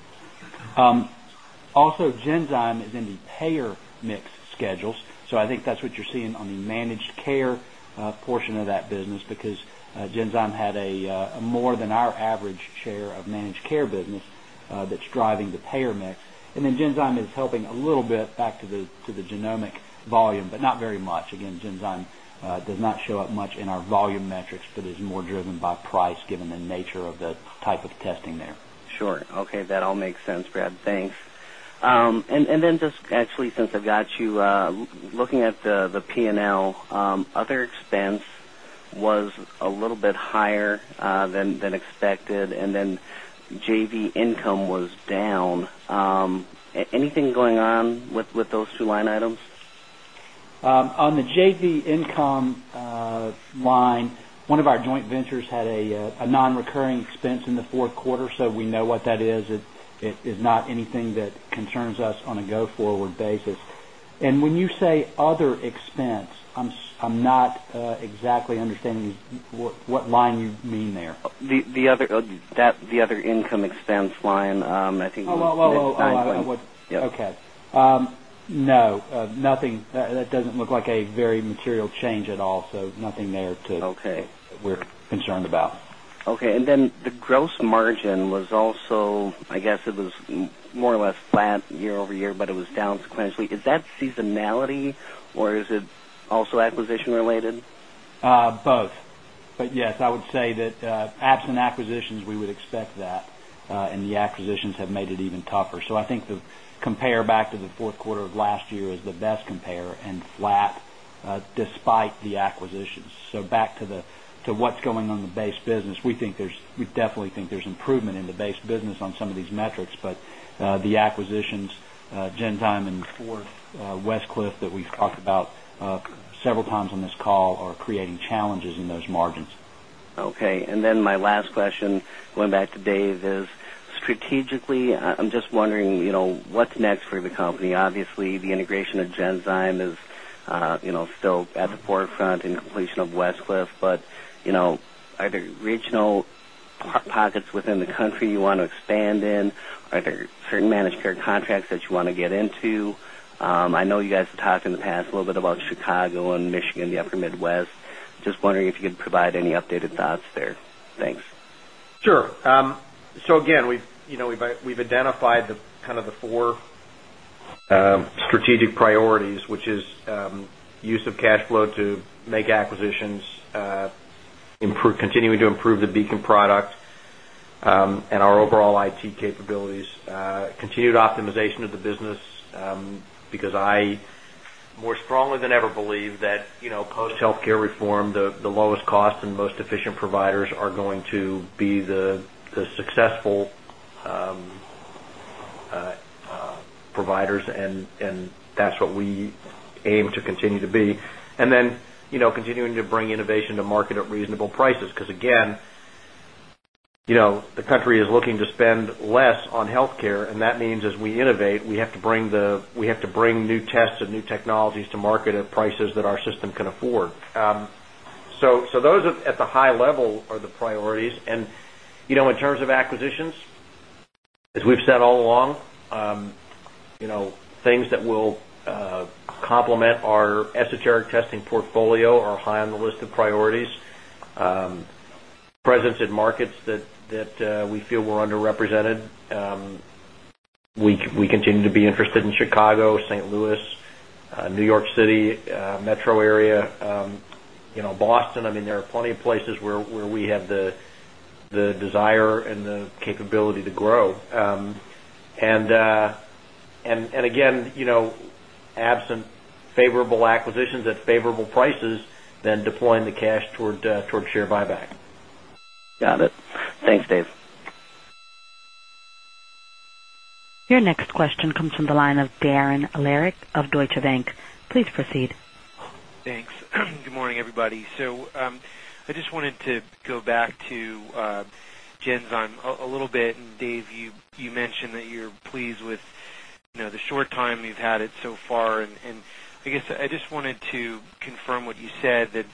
Also, Genzyme is in the payer mix schedules. I think that's what you're seeing on the managed care portion of that business because Genzyme had a more than our average share of managed care business that's driving the payer mix. Genzyme is helping a little bit back to the genomic volume, but not very much. Again, Genzyme does not show up much in our volume metrics, but it's more driven by price given the nature of the type of testing there. Sure. Okay. That all makes sense, Brad. Thanks. Just actually, since I've got you looking at the P&L, other expense was a little bit higher than expected, and then JV income was down. Anything going on with those two line items? On the JV income line, one of our joint ventures had a non-recurring expense in the fourth quarter, so we know what that is. It is not anything that concerns us on a go-forward basis. When you say other expense, I'm not exactly understanding what line you mean there. The other income expense line, I think. Oh, I would. Yeah. Okay. No. That does not look like a very material change at all, so nothing there to worry about. Okay. And then the gross margin was also, I guess, it was more or less flat year over year, but it was down sequentially. Is that seasonality, or is it also acquisition-related? Both. Yes, I would say that absent acquisitions, we would expect that, and the acquisitions have made it even tougher. I think the compare back to the fourth quarter of last year is the best compare and flat despite the acquisitions. Back to what's going on in the base business, we definitely think there's improvement in the base business on some of these metrics, but the acquisitions, Genzyme and Westcliff, that we've talked about several times on this call, are creating challenges in those margins. Okay. And then my last question, going back to Dave, is strategically, I'm just wondering what's next for the company. Obviously, the integration of Genzyme Genetics is still at the forefront and completion of Westcliff, but are there regional pockets within the country you want to expand in? Are there certain managed care contracts that you want to get into? I know you guys have talked in the past a little bit about Chicago and Michigan, the upper Midwest. Just wondering if you could provide any updated thoughts there. Thanks. Sure. So again, we've identified kind of the four strategic priorities, which is use of cash flow to make acquisitions, continuing to improve the Beacon product, and our overall IT capabilities, continued optimization of the business because I more strongly than ever believe that post-healthcare reform, the lowest cost and most efficient providers are going to be the successful providers, and that's what we aim to continue to be. Then continuing to bring innovation to market at reasonable prices because, again, the country is looking to spend less on healthcare, and that means as we innovate, we have to bring new tests and new technologies to market at prices that our system can afford. Those at the high level are the priorities. In terms of acquisitions, as we've said all along, things that will complement our esoteric testing portfolio are high on the list of priorities. Presence in markets that we feel we're underrepresented. We continue to be interested in Chicago, St. Louis, New York City, metro area, Boston. I mean, there are plenty of places where we have the desire and the capability to grow. Again, absent favorable acquisitions at favorable prices, then deploying the cash toward share buyback. Got it. Thanks, Dave. Your next question comes from the line of Darren Alaric of Deutsche Bank. Please proceed. Thanks. Good morning, everybody. I just wanted to go back to Genzyme a little bit. Dave, you mentioned that you're pleased with the short time you've had it so far. I just wanted to confirm what you said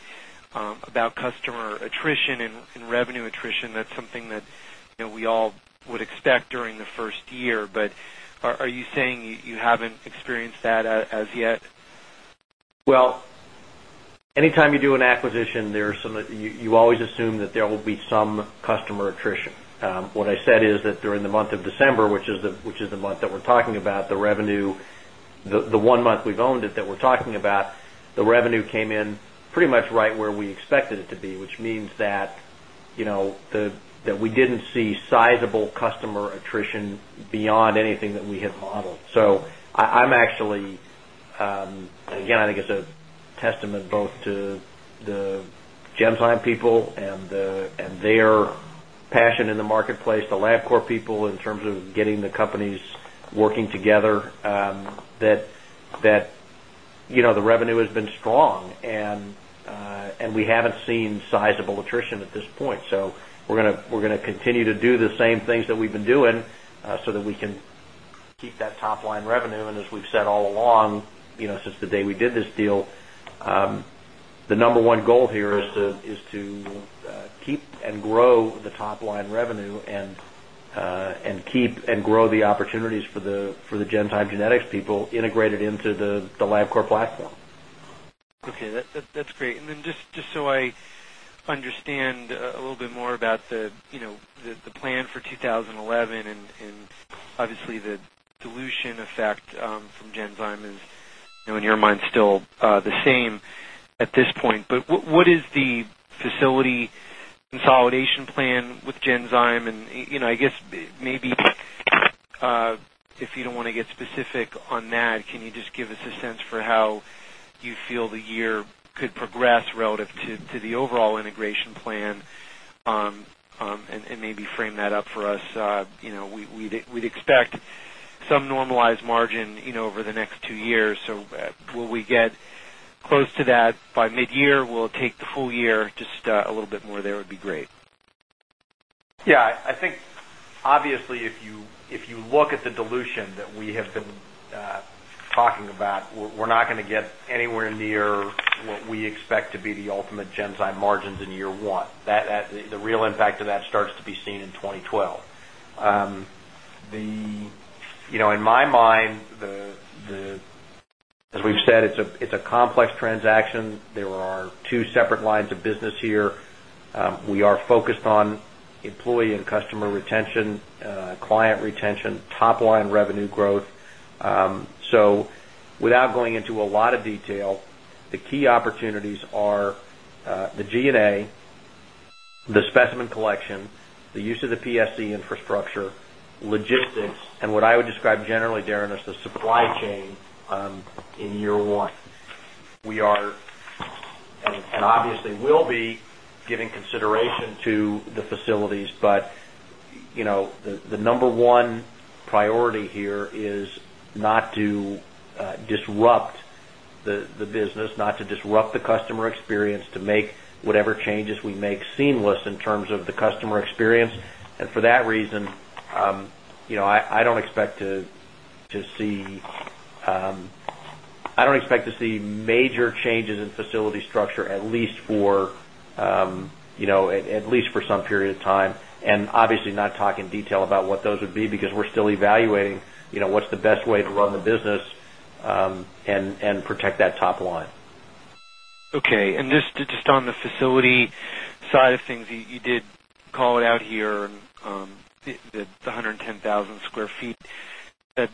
about customer attrition and revenue attrition. That's something that we all would expect during the first year. Are you saying you haven't experienced that as yet? Anytime you do an acquisition, you always assume that there will be some customer attrition. What I said is that during the month of December, which is the month that we're talking about, the revenue, the one month we've owned it that we're talking about, the revenue came in pretty much right where we expected it to be, which means that we didn't see sizable customer attrition beyond anything that we had modeled. I'm actually, again, I think it's a testament both to the Genzyme people and their passion in the marketplace, the Labcorp people, in terms of getting the companies working together, that the revenue has been strong and we haven't seen sizable attrition at this point. We're going to continue to do the same things that we've been doing so that we can keep that top-line revenue. As we've said all along since the day we did this deal, the number one goal here is to keep and grow the top-line revenue and keep and grow the opportunities for the Genzyme Genetics people integrated into the Labcorp platform. Okay. That's great. And then just so I understand a little bit more about the plan for 2011, and obviously the dilution effect from Genzyme is, in your mind, still the same at this point. But what is the facility consolidation plan with Genzyme? And I guess maybe if you don't want to get specific on that, can you just give us a sense for how you feel the year could progress relative to the overall integration plan, and maybe frame that up for us? We'd expect some normalized margin over the next two years. So, will we get close to that by mid-year? We'll take the full year. Just a little bit more there would be great. Yeah. I think obviously if you look at the dilution that we have been talking about, we're not going to get anywhere near what we expect to be the ultimate Genzyme margins in year one. The real impact of that starts to be seen in 2012. In my mind, as we've said, it's a complex transaction. There are two separate lines of business here. We are focused on employee and customer retention, client retention, top-line revenue growth. Without going into a lot of detail, the key opportunities are the G&A, the specimen collection, the use of the PSC infrastructure, logistics, and what I would describe generally, Darren, is the supply chain in year one. We are and obviously will be giving consideration to the facilities, but the number one priority here is not to disrupt the business, not to disrupt the customer experience, to make whatever changes we make seamless in terms of the customer experience. For that reason, I do not expect to see major changes in facility structure, at least for some period of time. Obviously, not talk in detail about what those would be because we are still evaluating what is the best way to run the business and protect that top line. Okay. And just on the facility side of things, you did call it out here, the 110,000 sq ft. It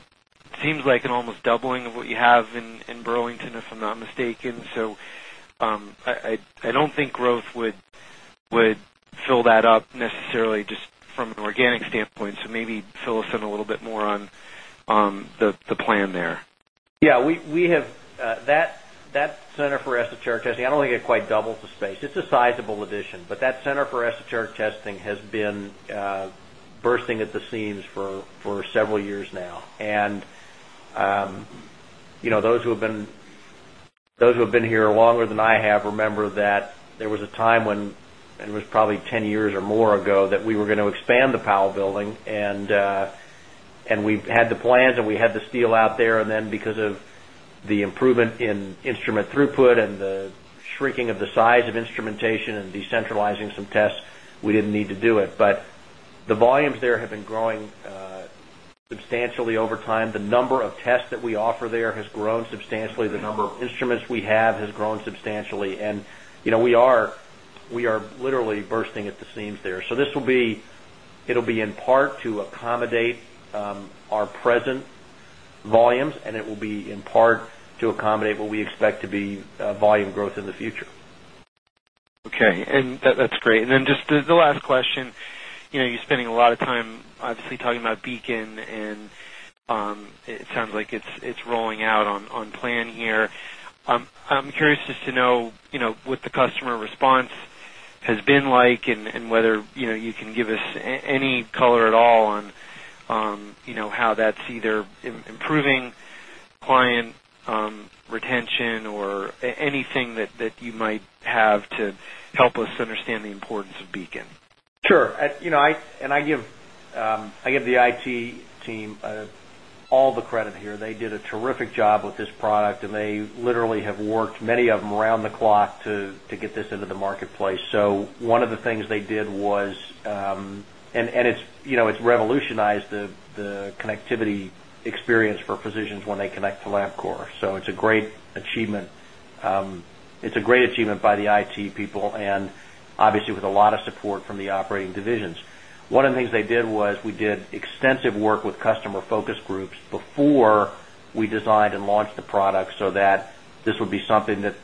seems like an almost doubling of what you have in Burlington, if I'm not mistaken. I don't think growth would fill that up necessarily, just from an organic standpoint. Maybe fill us in a little bit more on the plan there. Yeah. That center for esoteric testing, I do not think it quite doubles the space. It is a sizable addition, but that center for esoteric testing has been bursting at the seams for several years now. Those who have been here longer than I have remember that there was a time when it was probably 10 years or more ago, that we were going to expand the Powell building. We had the plans, and we had the steel out there. Because of the improvement in instrument throughput and the shrinking of the size of instrumentation and decentralizing some tests, we did not need to do it. The volumes there have been growing substantially over time. The number of tests that we offer there has grown substantially. The number of instruments we have has grown substantially. We are literally bursting at the seams there. It'll be in part to accommodate our present volumes, and it will be in part to accommodate what we expect to be volume growth in the future. Okay. That is great. Just the last question. You're spending a lot of time obviously talking about Beacon, and it sounds like it is rolling out on plan here. I am curious just to know what the customer response has been like and whether you can give us any color at all on how that is either improving client retention or anything that you might have to help us understand the importance of Beacon. Sure. I give the IT team all the credit here. They did a terrific job with this product, and they literally have worked, many of them, around the clock to get this into the marketplace. One of the things they did was and it has revolutionized the connectivity experience for physicians when they connect to Labcorp. It is a great achievement. It is a great achievement by the IT people, and obviously with a lot of support from the operating divisions. One of the things they did was we did extensive work with customer focus groups before we designed and launched the product, so that this would be something that,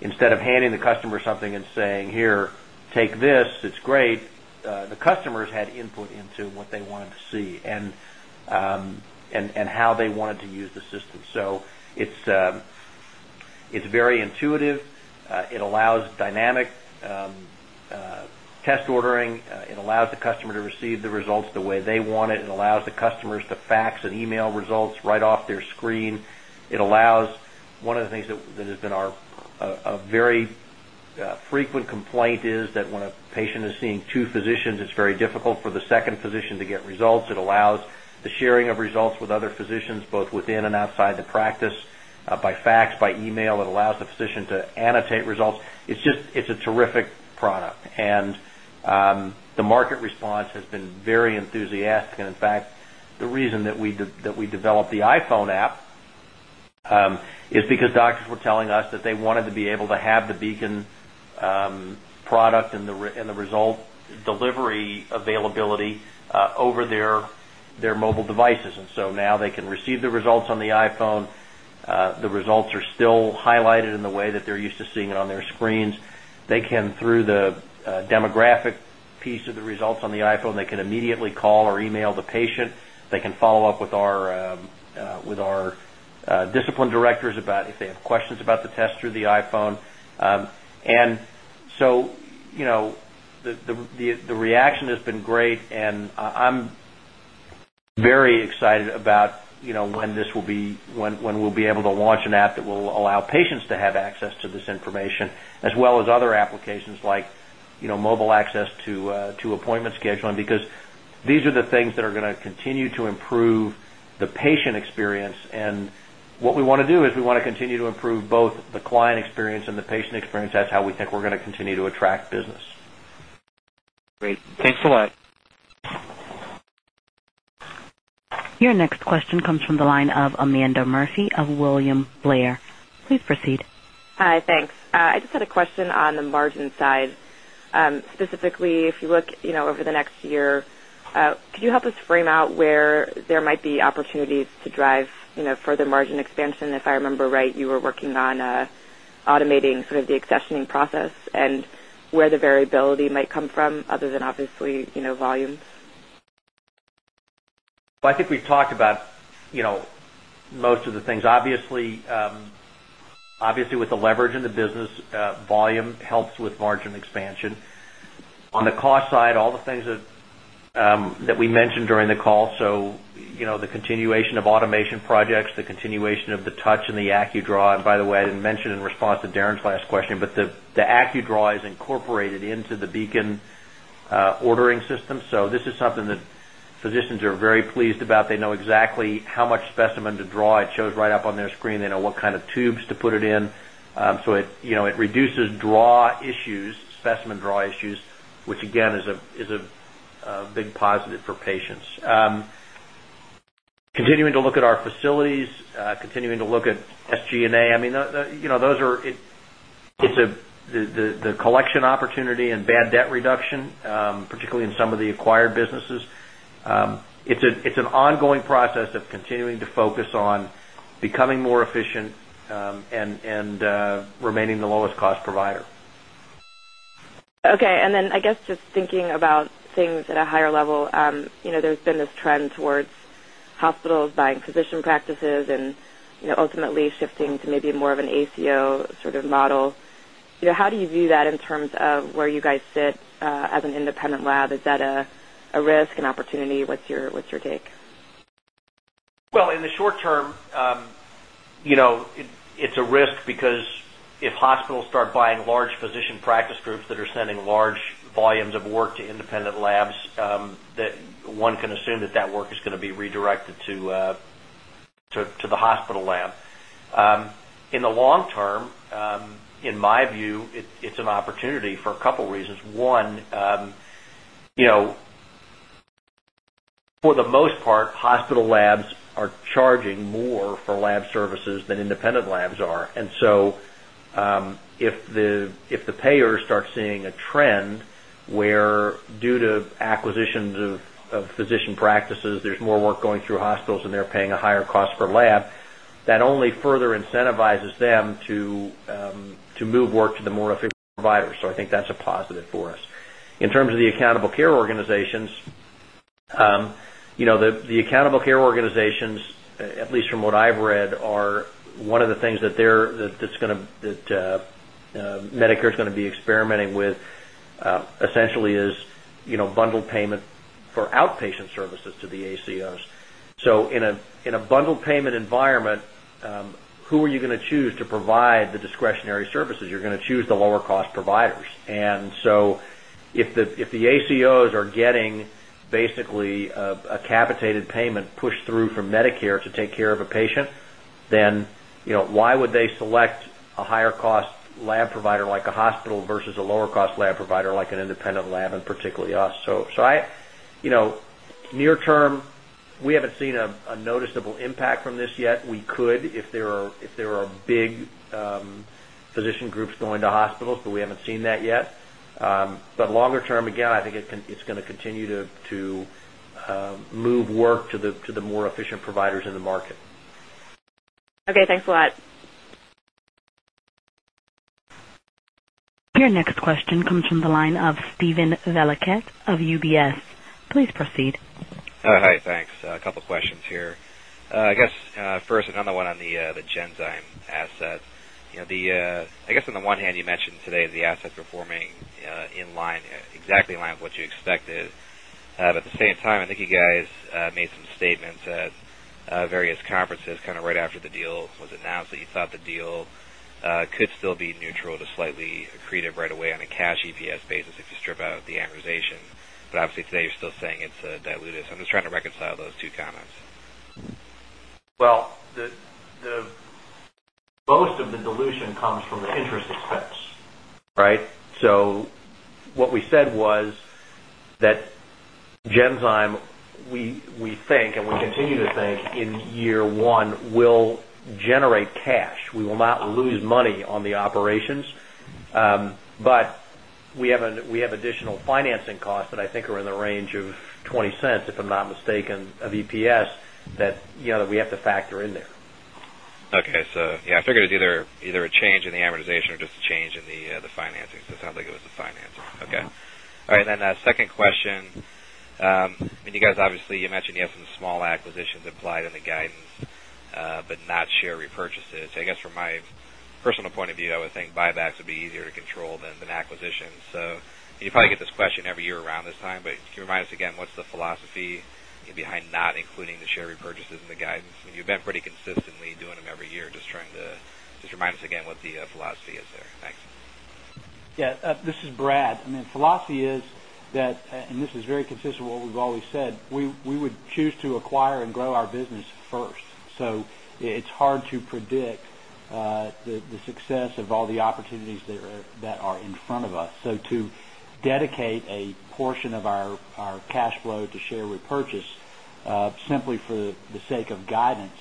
instead of handing the customer something and saying, "Here, take this. It's great," the customers had input into what they wanted to see and how they wanted to use the system. It is very intuitive. It allows dynamic test ordering. It allows the customer to receive the results the way they want it. It allows the customers to fax and email results right off their screen. One of the things that has been a very frequent complaint is that when a patient is seeing two physicians, it's very difficult for the second physician to get results. It allows the sharing of results with other physicians both within and outside the practice by fax, by email. It allows the physician to annotate results. It's a terrific product. The market response has been very enthusiastic. In fact, the reason that we developed the iPhone app is because doctors were telling us that they wanted to be able to have the Beacon product and the result delivery availability over their mobile devices. Now they can receive the results on the iPhone. The results are still highlighted in the way that they're used to seeing it on their screens. Through the demographic piece of the results on the iPhone, they can immediately call or email the patient. They can follow up with our discipline directors about if they have questions about the test through the iPhone. The reaction has been great. I'm very excited about when this will be, when we'll be able to launch an app that will allow patients to have access to this information, as well as other applications like mobile access to appointment scheduling, because these are the things that are going to continue to improve the patient experience. What we want to do is we want to continue to improve both the client experience and the patient experience. That's how we think we're going to continue to attract business. Great. Thanks a lot. Your next question comes from the line of Amanda Murphy of William Blair. Please proceed. Hi. Thanks. I just had a question on the margin side. Specifically, if you look over the next year, could you help us frame out where there might be opportunities to drive further margin expansion? If I remember right, you were working on automating sort of the accessioning process and where the variability might come from other than obviously volumes. I think we've talked about most of the things. Obviously, with the leverage in the business, volume helps with margin expansion. On the cost side, all the things that we mentioned during the call, the continuation of automation projects, the continuation of the touch, and the AccuDraw. By the way, I didn't mention in response to Darren's last question, but the AccuDraw is incorporated into the Beacon ordering system. This is something that physicians are very pleased about. They know exactly how much specimen to draw. It shows right up on their screen. They know what kind of tubes to put it in. It reduces draw issues, specimen draw issues, which again is a big positive for patients. Continuing to look at our facilities, continuing to look at SG&A. I mean, those are the collection opportunity and bad debt reduction, particularly in some of the acquired businesses. It is an ongoing process of continuing to focus on becoming more efficient and remaining the lowest cost provider. Okay. And then I guess just thinking about things at a higher level, there's been this trend towards hospitals buying physician practices and ultimately shifting to maybe more of an ACO sort of model. How do you view that in terms of where you guys sit as an independent lab? Is that a risk, an opportunity? What's your take? In the short term, it's a risk because if hospitals start buying large physician practice groups that are sending large volumes of work to independent labs, one can assume that that work is going to be redirected to the hospital lab. In the long term, in my view, it's an opportunity for a couple of reasons. One, for the most part, hospital labs are charging more for lab services than independent labs are. And if the payers start seeing a trend where, due to acquisitions of physician practices, there's more work going through hospitals and they're paying a higher cost per lab, that only further incentivizes them to move work to the more efficient providers. I think that's a positive for us. In terms of the accountable care organizations, the accountable care organizations, at least from what I've read, are one of the things that's going to that Medicare is going to be experimenting with, essentially is bundled payment for outpatient services to the ACOs. In a bundled payment environment, who are you going to choose to provide the discretionary services? You're going to choose the lower-cost providers. If the ,ACOs are getting basically a capitated payment pushed through from Medicare to take care of a patient, then why would they select a higher-cost lab provider like a hospital versus a lower-cost lab provider like an independent lab and particularly us? Near term, we haven't seen a noticeable impact from this yet. We could if there are big physician groups going to hospitals, but we haven't seen that yet. Longer term, again, I think it's going to continue to move work to the more efficient providers in the market. Okay. Thanks a lot. Your next question comes from the line of Steven Valiquette of UBS. Please proceed. Hi. Thanks. A couple of questions here. I guess first, another one on the Genzyme asset. I guess on the one hand, you mentioned today the asset performing exactly in line with what you expected. At the same time, I think you guys made some statements at various conferences, kind of right after the deal was announced, that you thought the deal could still be neutral to slightly accretive right away on a cash EPS basis if you strip out the amortization. Obviously, today, you're still saying it's diluted. I'm just trying to reconcile those two comments. Most of the dilution comes from the interest expense. Right? What we said was that Genzyme, we think, and we continue to think in year one, will generate cash. We will not lose money on the operations. We have additional financing costs that I think are in the range of $0.20 of EPS that we have to factor in there. Okay. Yeah, I figured it's either a change in the amortization or just a change in the financing. It sounds like it was the financing. All right. Second question. I mean, you guys obviously mentioned you have some small acquisitions applied in the guidance, but not share repurchases. I guess from my personal point of view, I would think buybacks would be easier to control than acquisitions. You probably get this question every year around this time, but can you remind us again what's the philosophy behind not including the share repurchases in the guidance? I mean, you've been pretty consistently doing them every year, just trying to remind us again what the philosophy is there. Thanks. Yeah. This is Brad. I mean, philosophy is that, and this is very consistent with what we've always said, we would choose to acquire and grow our business first. It is hard to predict the success of all the opportunities that are in front of us. To dedicate a portion of our cash flow to share repurchase simply for the sake of guidance,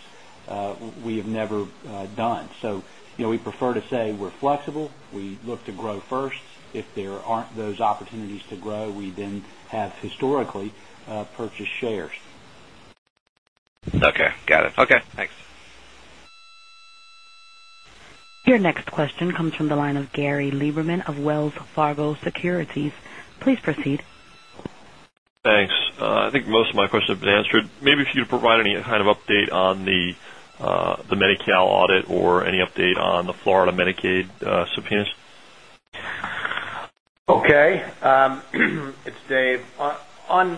we have never done. We prefer to say we're flexible. We look to grow first. If there aren't those opportunities to grow, we then have historically purchased shares. Okay. Got it. Okay. Thanks. Your next question comes from the line of Gary Lieberman of Wells Fargo Securities. Please proceed. Thanks. I think most of my questions have been answered. Maybe if you could provide any kind of update on the Medi-Cal audit or any update on the Florida Medicaid subpoenas. Okay. It's Dave. On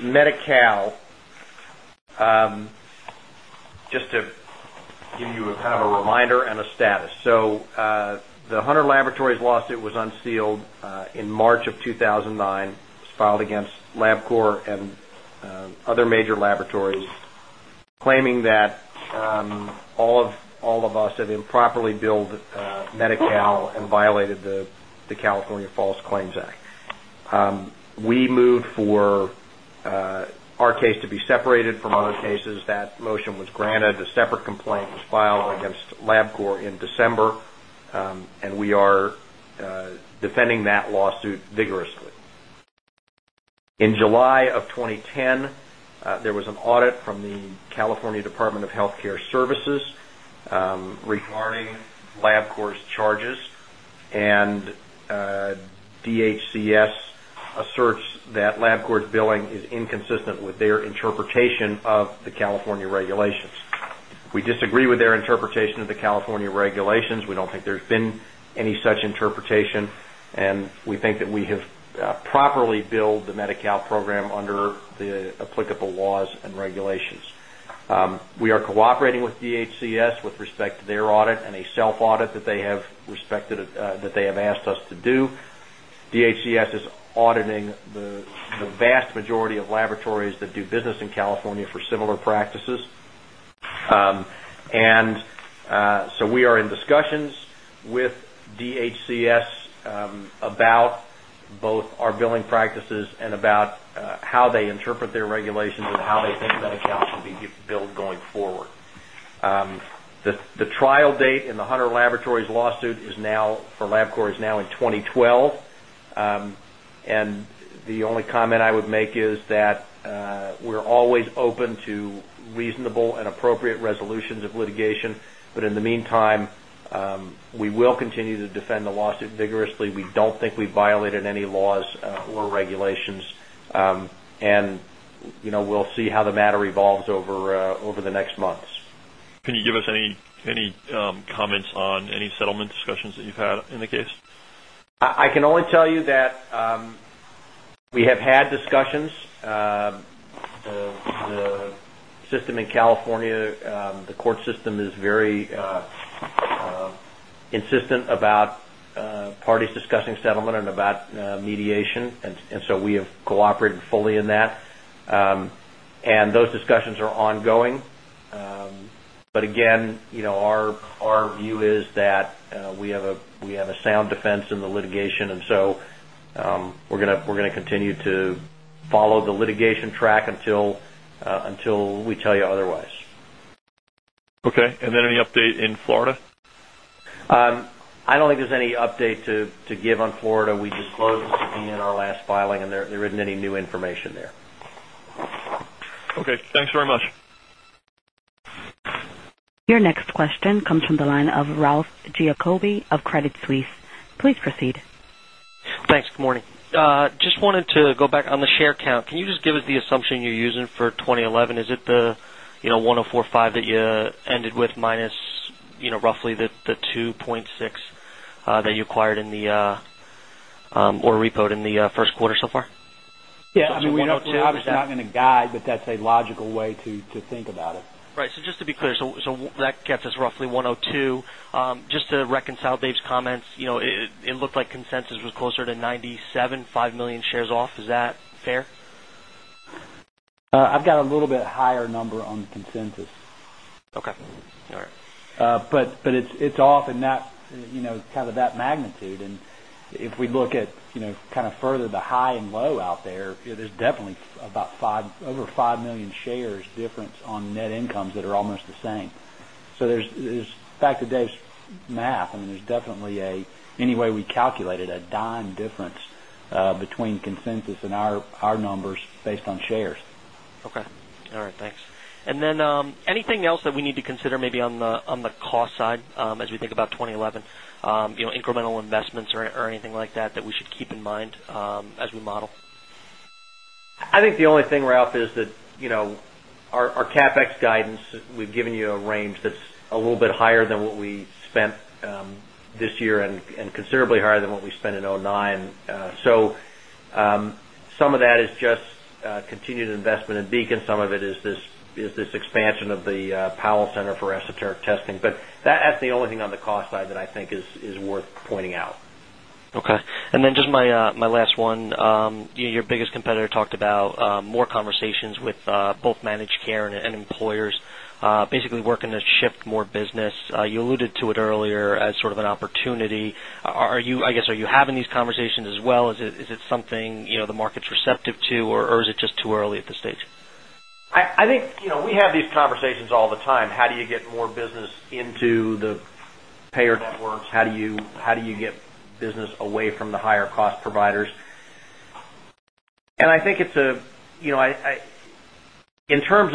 Medi-Cal, just to give you kind of a reminder and a status. So the Hunter Laboratories lawsuit was unsealed in March of 2009. It was filed against Labcorp and other major laboratories, claiming that all of us have improperly billed Medi-Cal and violated the California False Claims Act. We moved for our case to be separated from other cases. That motion was granted. A separate complaint was filed against Labcorp in December, and we are defending that lawsuit vigorously. In July of 2010, there was an audit from the California Department of Health Care Services regarding Labcorp's charges, and DHCS asserts that Labcorp's billing is inconsistent with their interpretation of the California regulations. We disagree with their interpretation of the California regulations. We don't think there's been any such interpretation, and we think that we have properly billed the Medi-Cal program under the applicable laws and regulations. We are cooperating with DHCS with respect to their audit and a self-audit that they have asked us to do. DHCS is auditing the vast majority of laboratories that do business in California, for similar practices. We are in discussions with DHCS about both our billing practices and about how they interpret their regulations and how they think Medi-Cal should be billed going forward. The trial date in the Hunter Laboratories lawsuit for Labcorp is now in 2012. The only comment I would make is that we're always open to reasonable and appropriate resolutions of litigation. In the meantime, we will continue to defend the lawsuit vigorously. We don't think we've violated any laws or regulations. We'll see how the matter evolves over the next months. Can you give us any comments on any settlement discussions that you've had in the case? I can only tell you that we have had discussions. The system in California, the court system, is very insistent about parties discussing settlement and about mediation. We have cooperated fully in that. Those discussions are ongoing. Our view is that we have a sound defense in the litigation. We are going to continue to follow the litigation track until we tell you otherwise. Okay. Any update in Florida? I don't think there's any update to give on Florida. We just closed the subpoena in our last filing, and there isn't any new information there. Okay. Thanks very much. Your next question comes from the line of Ralph Giacobbe of Credit Suisse. Please proceed. Thanks. Good morning. Just wanted to go back on the share count. Can you just give us the assumption you're using for 2011? Is it the 104.5 that you ended with minus roughly the 2.6 that you acquired in the or repoed in the first quarter so far? Yeah. I mean, 104.5 is not going to guide, but that's a logical way to think about it. Right. So just to be clear, so that gets us roughly 102. Just to reconcile Dave's comments, it looked like consensus was closer to 97, 5 million shares off. Is that fair? I've got a little bit higher number on consensus. Okay. All right. It's off in kind of that magnitude. If we look at kind of further the high and low out there, there's definitely about over 5 million shares difference on net incomes that are almost the same. Back to Dave's math, I mean, there's definitely, any way we calculate it, a dime difference between consensus and our numbers based on shares. Okay. All right. Thanks. Is there anything else that we need to consider, maybe on the cost side, as we think about 2011, incremental investments or anything like that that we should keep in mind as we model? I think the only thing, Ralph, is that our CapEx guidance, we've given you a range that's a little bit higher than what we spent this year and considerably higher than what we spent in 2009. Some of that is just continued investment in Beacon. Some of it is this expansion of the Powell Center for Esoteric Testing. That's the only thing on the cost side that I think is worth pointing out. Okay. And then just my last one. Your biggest competitor talked about more conversations with both managed care and employers, basically working to shift more business. You alluded to it earlier as sort of an opportunity. I guess are you having these conversations as well? Is it something the market's receptive to, or is it just too early at this stage? I think we have these conversations all the time. How do you get more business into the payer networks? How do you get business away from the higher-cost providers? I think in terms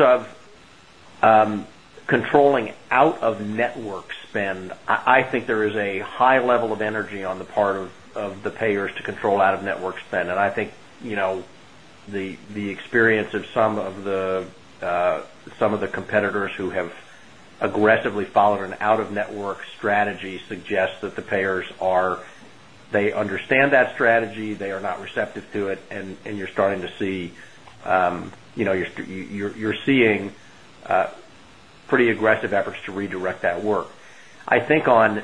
of controlling out-of-network spend, there is a high level of energy on the part of the payers to control out-of-network spend. I think the experience of some of the competitors who have aggressively followed an out-of-network strategy suggests that the payers understand that strategy. They are not receptive to it. You are starting to see pretty aggressive efforts to redirect that work. I think on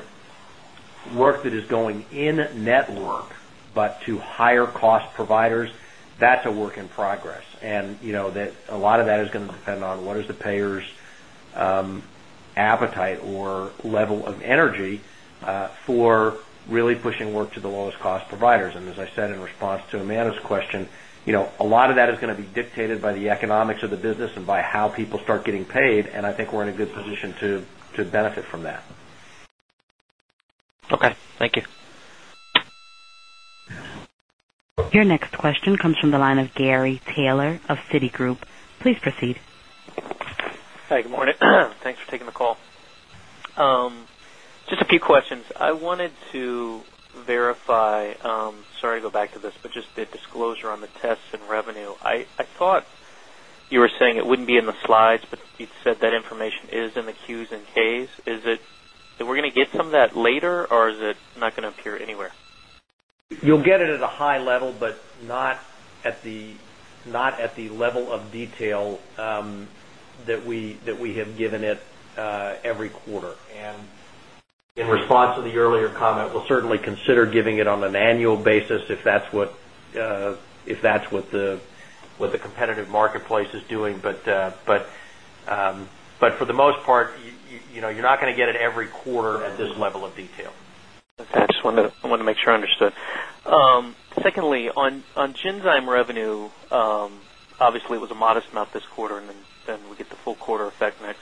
work that is going in network but to higher-cost providers, that is a work in progress. A lot of that is going to depend on what is the payer's appetite or level of energy for really pushing work to the lowest-cost providers. As I said in response to Amanda's question, a lot of that is going to be dictated by the economics of the business and by how people start getting paid. I think we're in a good position to benefit from that. Okay. Thank you. Your next question comes from the line of Gary Taylor of Citigroup. Please proceed. Hi. Good morning. Thanks for taking the call. Just a few questions. I wanted to verify—sorry to go back to this—but just the disclosure on the tests and revenue. I thought you were saying it would not be in the slides, but you said that information is in the Qs and Ks. Is it that we are going to get some of that later, or is it not going to appear anywhere? You'll get it at a high level, but not at the level of detail that we have given it every quarter. In response to the earlier comment, we'll certainly consider giving it on an annual basis if that's what the competitive marketplace is doing. For the most part, you're not going to get it every quarter at this level of detail. Okay. I just wanted to make sure I understood. Secondly, on Genzyme revenue, obviously, it was a modest amount this quarter, and then we get the full quarter effect next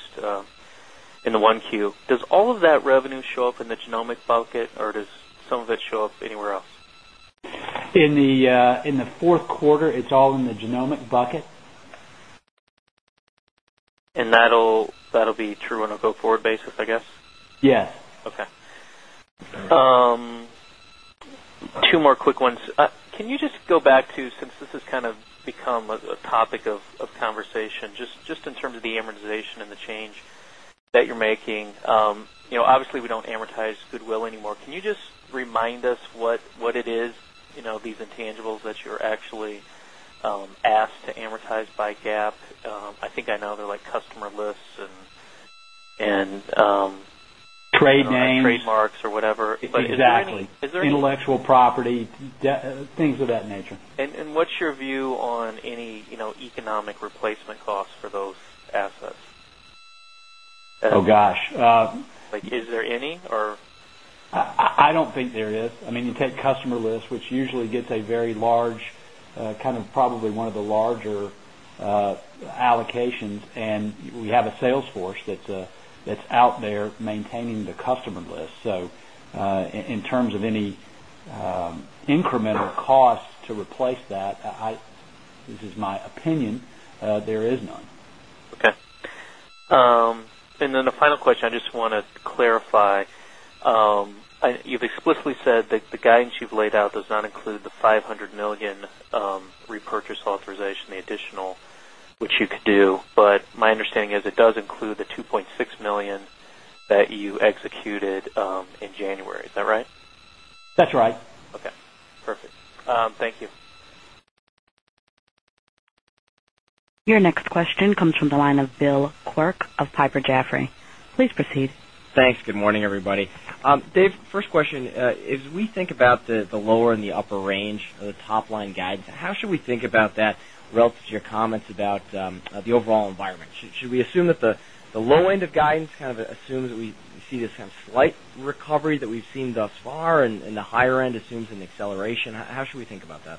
in the one Q. Does all of that revenue show up in the genomic bucket, or does some of it show up anywhere else? In the fourth quarter, it's all in the genomic bucket. That'll be true on a go-forward basis, I guess? Yes. Okay. Two more quick ones. Can you just go back to, since this has kind of become a topic of conversation, just in terms of the amortization and the change that you're making? Obviously, we do not amortize Goodwill anymore. Can you just remind us what it is, these intangibles that you're actually asked to amortize by GAAP? I think I know they're like customer lists and. Trade names. Trademarks or whatever. Exactly. Intellectual property, things of that nature. What's your view on any economic replacement costs for those assets? Oh, gosh. Is there any, or? I don't think there is. I mean, you take customer lists, which usually gets a very large kind of probably one of the larger allocations. And we have a salesforce that's out there maintaining the customer list. So in terms of any incremental costs to replace that, this is my opinion, there is none. Okay. And then the final question, I just want to clarify. You've explicitly said that the guidance you've laid out does not include the $500 million repurchase authorization, the additional, which you could do. But my understanding is it does include the $2.6 million that you executed in January. Is that right? That's right. Okay. Perfect. Thank you. Your next question comes from the line of Bill Clerk of Piper Jaffray. Please proceed. Thanks. Good morning, everybody. Dave, first question. As we think about the lower and the upper range of the top-line guidance, how should we think about that relative to your comments about the overall environment? Should we assume that the low end of guidance kind of assumes that we see this kind of slight recovery that we've seen thus far, and the higher end assumes an acceleration? How should we think about that?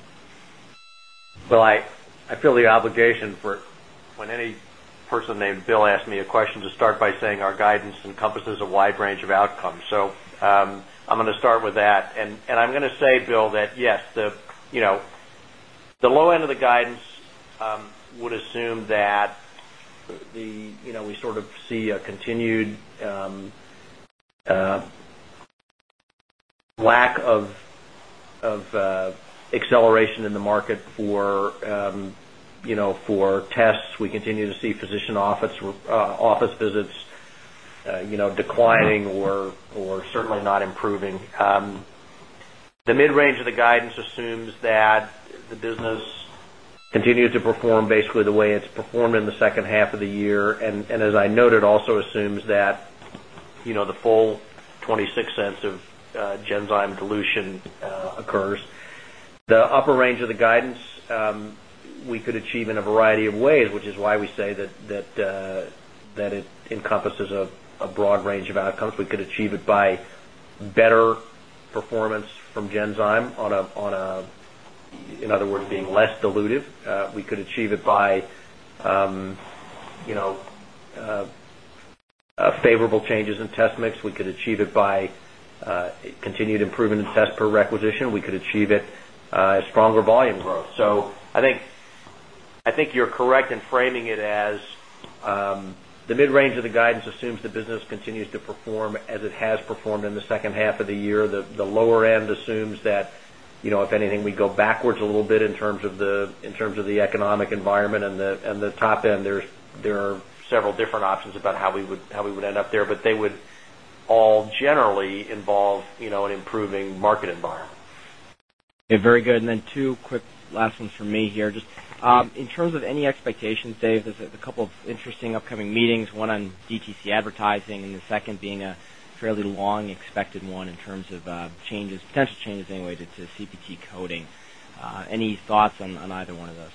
I feel the obligation for when any person named Bill asks me a question to start by saying our guidance encompasses a wide range of outcomes. I am going to start with that. I am going to say, Bill, that yes, the low end of the guidance would assume that we sort of see a continued lack of acceleration in the market for tests. We continue to see physician office visits declining or certainly not improving. The mid-range of the guidance assumes that the business continues to perform basically the way it has performed in the second half of the year. As I noted, it also assumes that the full $0.26 of Genzyme dilution occurs. The upper range of the guidance, we could achieve in a variety of ways, which is why we say that it encompasses a broad range of outcomes. We could achieve it by better performance from Genzyme on a, in other words, being less dilutive. We could achieve it by favorable changes in test mix. We could achieve it by continued improvement in test per requisition. We could achieve it as stronger volume growth. I think you're correct in framing it as the mid-range of the guidance assumes the business continues to perform as it has performed in the second half of the year. The lower end assumes that if anything, we go backwards a little bit in terms of the economic environment. The top end, there are several different options about how we would end up there, but they would all generally involve an improving market environment. Very good. And then two quick last ones from me here. Just in terms of any expectations, Dave, there's a couple of interesting upcoming meetings, one on DTC advertising and the second being a fairly long expected one in terms of potential changes anyway to CPT coding. Any thoughts on either one of those?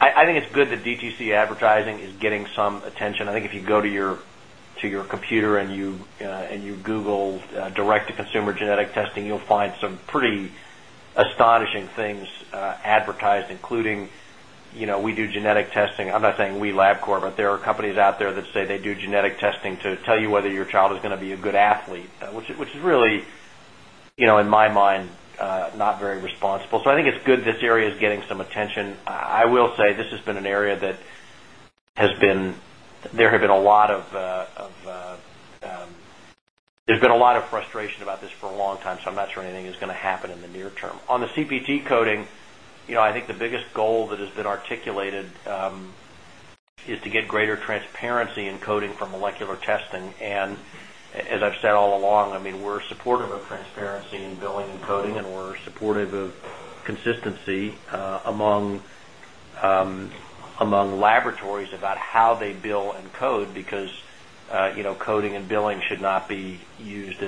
I think it's good that DTC advertising is getting some attention. I think if you go to your computer and you Google direct-to-consumer genetic testing, you'll find some pretty astonishing things advertised, including we do genetic testing. I'm not saying we, Labcorp, but there are companies out there that say they do genetic testing to tell you whether your child is going to be a good athlete, which is really, in my mind, not very responsible. I think it's good this area is getting some attention. I will say this has been an area that has been, there has been a lot of frustration about this for a long time. I'm not sure anything is going to happen in the near term. On the CPT coding, I think the biggest goal that has been articulated is to get greater transparency in coding for molecular testing. And as I've said all along, I mean, we're supportive of transparency in billing and coding, and we're supportive of consistency among laboratories about how they bill and code because coding and billing should not be used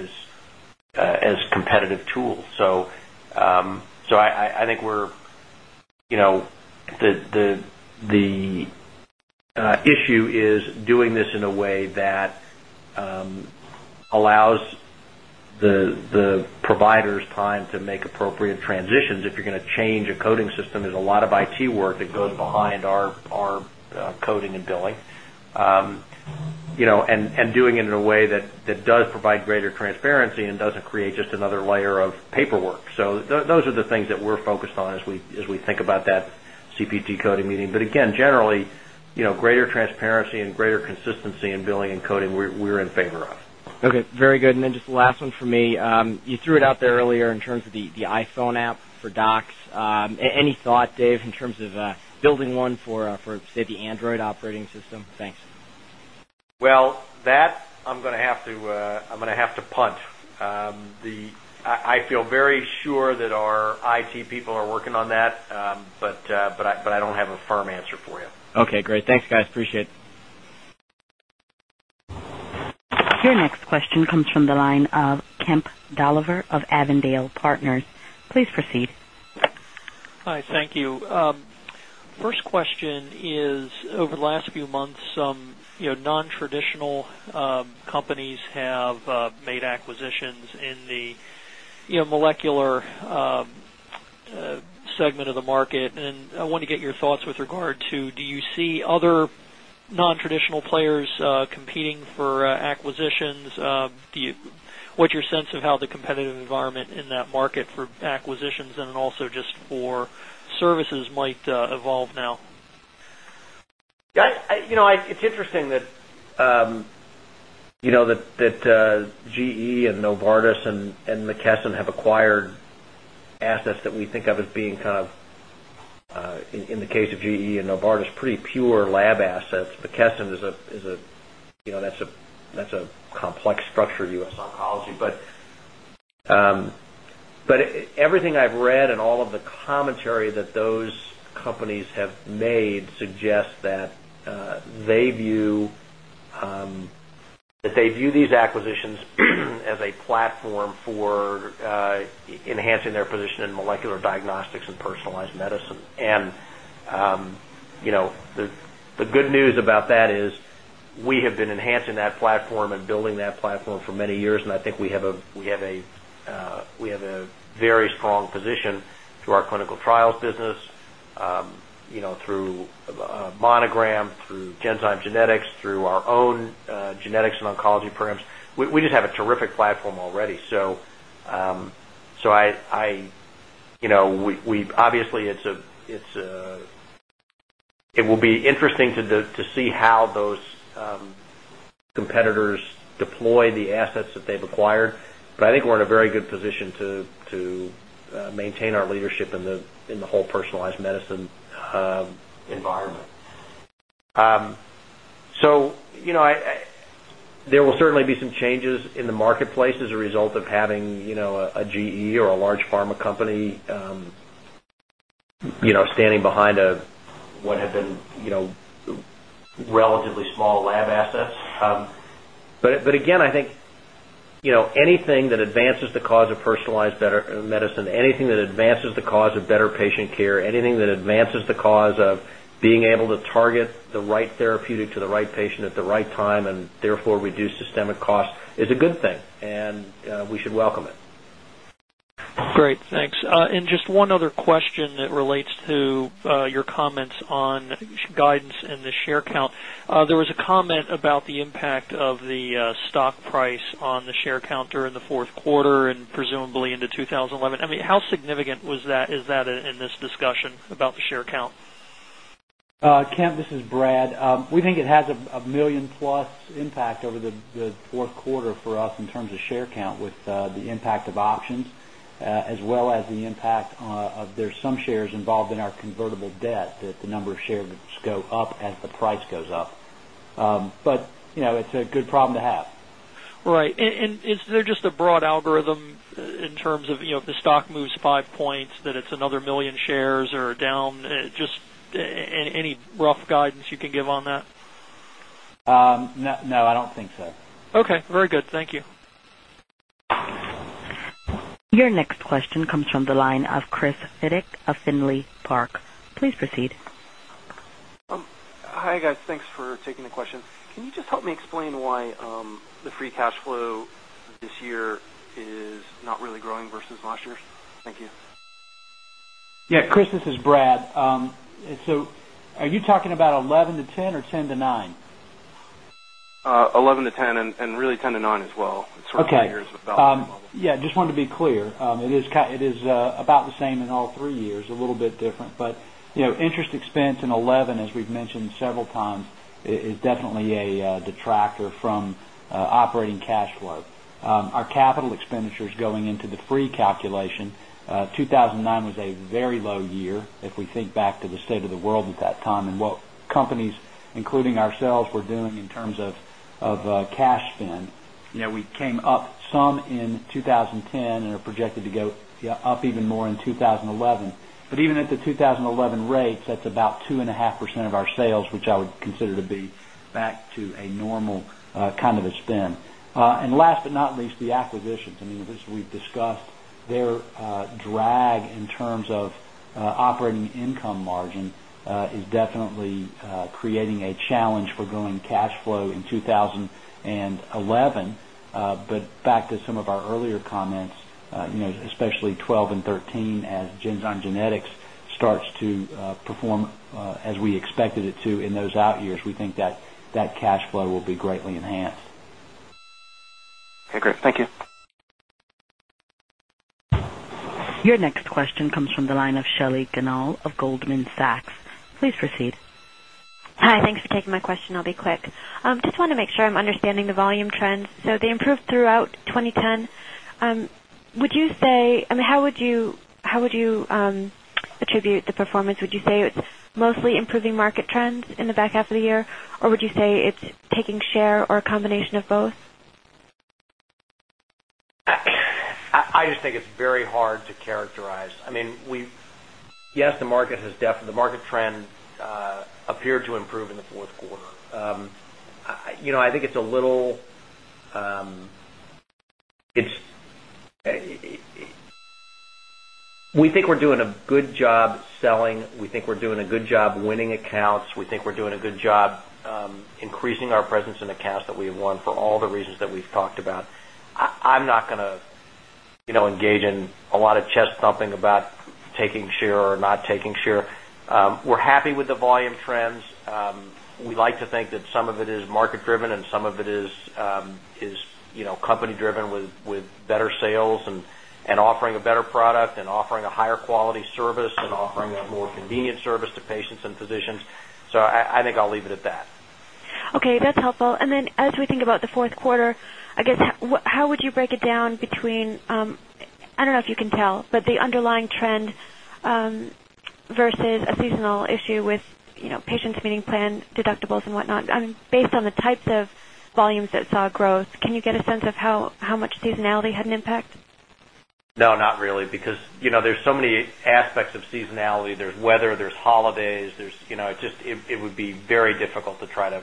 as competitive tools. I think where the issue is doing this in a way that allows the providers time to make appropriate transitions. If you're going to change a coding system, there's a lot of IT work that goes behind our coding and billing and doing it in a way that does provide greater transparency and doesn't create just another layer of paperwork. Those are the things that we're focused on as we think about that CPT coding meeting. Again, generally, greater transparency and greater consistency in billing and coding, we're in favor of. Okay. Very good. Then just the last one for me. You threw it out there earlier in terms of the iPhone app for docs. Any thought, Dave, in terms of building one for, say, the Android operating system? Thanks. I'm going to have to punt. I feel very sure that our IT people are working on that, but I don't have a firm answer for you. Okay. Great. Thanks, guys. Appreciate it. Your next question comes from the line of Kemp Dolliver of Avondale Partners. Please proceed. Hi. Thank you. First question is, over the last few months, some nontraditional companies have made acquisitions in the molecular segment of the market. I wanted to get your thoughts with regard to, do you see other nontraditional players competing for acquisitions? What's your sense of how the competitive environment in that market for acquisitions and then also just for services might evolve now? It's interesting that GE and Novartis and McKesson have acquired assets that we think of as being kind of, in the case of GE and Novartis, pretty pure lab assets. McKesson is a, that's a complex structure, US Oncology. Everything I've read and all of the commentary that those companies have made suggests that they view these acquisitions as a platform for enhancing their position in molecular diagnostics and personalized medicine. The good news about that is we have been enhancing that platform and building that platform for many years. I think we have a very strong position through our clinical trials business, through Monogram, through Genzyme Genetics, through our own genetics and oncology programs. We just have a terrific platform already. Obviously, it will be interesting to see how those competitors deploy the assets that they've acquired. I think we're in a very good position to maintain our leadership in the whole personalized medicine environment. There will certainly be some changes in the marketplace as a result of having a GE or a large pharma company standing behind what have been relatively small lab assets. Again, I think anything that advances the cause of personalized medicine, anything that advances the cause of better patient care, anything that advances the cause of being able to target the right therapeutic to the right patient at the right time and therefore reduce systemic costs is a good thing. We should welcome it. Great. Thanks. Just one other question that relates to your comments on guidance and the share count. There was a comment about the impact of the stock price on the share count during the fourth quarter and presumably into 2011. I mean, how significant is that in this discussion about the share count? Kemp, this is Brad. We think it has a million-plus impact over the fourth quarter for us in terms of share count with the impact of options as well as the impact of there's some shares involved in our convertible debt that the number of shares go up as the price goes up. But it's a good problem to have. Right. Is there just a broad algorithm in terms of if the stock moves five points, that it's another million shares or down? Just any rough guidance you can give on that? No, I don't think so. Okay. Very good. Thank you. Your next question comes from the line of Chris Fidyk of Findlay Park. Please proceed. Hi, guys. Thanks for taking the question. Can you just help me explain why the free cash flow this year is not really growing versus last year's? Thank you. Yeah. Chris, this is Brad. So are you talking about eleven to ten or ten to nine? 11 to 10 and really 10 to 9 as well. It's sort of three years above the level. Yeah. Just wanted to be clear. It is about the same in all three years, a little bit different. Interest expense in 2011, as we've mentioned several times, is definitely a detractor from operating cash flow. Our capital expenditures going into the free calculation, 2009 was a very low year if we think back to the state of the world at that time and what companies, including ourselves, were doing in terms of cash spend. We came up some in 2010 and are projected to go up even more in 2011. Even at the 2011 rates, that's about 2.5% of our sales, which I would consider to be back to a normal kind of a spend. Last but not least, the acquisitions. I mean, as we've discussed, their drag in terms of operating income margin is definitely creating a challenge for growing cash flow in 2011. Back to some of our earlier comments, especially 12 and 13, as Genzyme Genetics starts to perform as we expected it to in those out years, we think that that cash flow will be greatly enhanced. Okay. Great. Thank you. Your next question comes from the line of Shelley Ganal of Goldman Sachs. Please proceed. Hi. Thanks for taking my question. I'll be quick. I just want to make sure I'm understanding the volume trends. So they improved throughout 2010. Would you say, I mean, how would you attribute the performance? Would you say it's mostly improving market trends in the back half of the year, or would you say it's taking share or a combination of both? I just think it's very hard to characterize. I mean, yes, the market has definitely the market trend appeared to improve in the fourth quarter. I think it's a little we think we're doing a good job selling. We think we're doing a good job winning accounts. We think we're doing a good job increasing our presence in accounts that we have won for all the reasons that we've talked about. I'm not going to engage in a lot of chest thumping about taking share or not taking share. We're happy with the volume trends. We like to think that some of it is market-driven and some of it is company-driven with better sales and offering a better product and offering a higher quality service and offering a more convenient service to patients and physicians. I think I'll leave it at that. Okay. That's helpful. Then as we think about the fourth quarter, I guess, how would you break it down between, I don't know if you can tell, but the underlying trend versus a seasonal issue with patients meeting plan deductibles and whatnot? I mean, based on the types of volumes that saw growth, can you get a sense of how much seasonality had an impact? No, not really. Because there are so many aspects of seasonality. There is weather. There are holidays. It would be very difficult to try to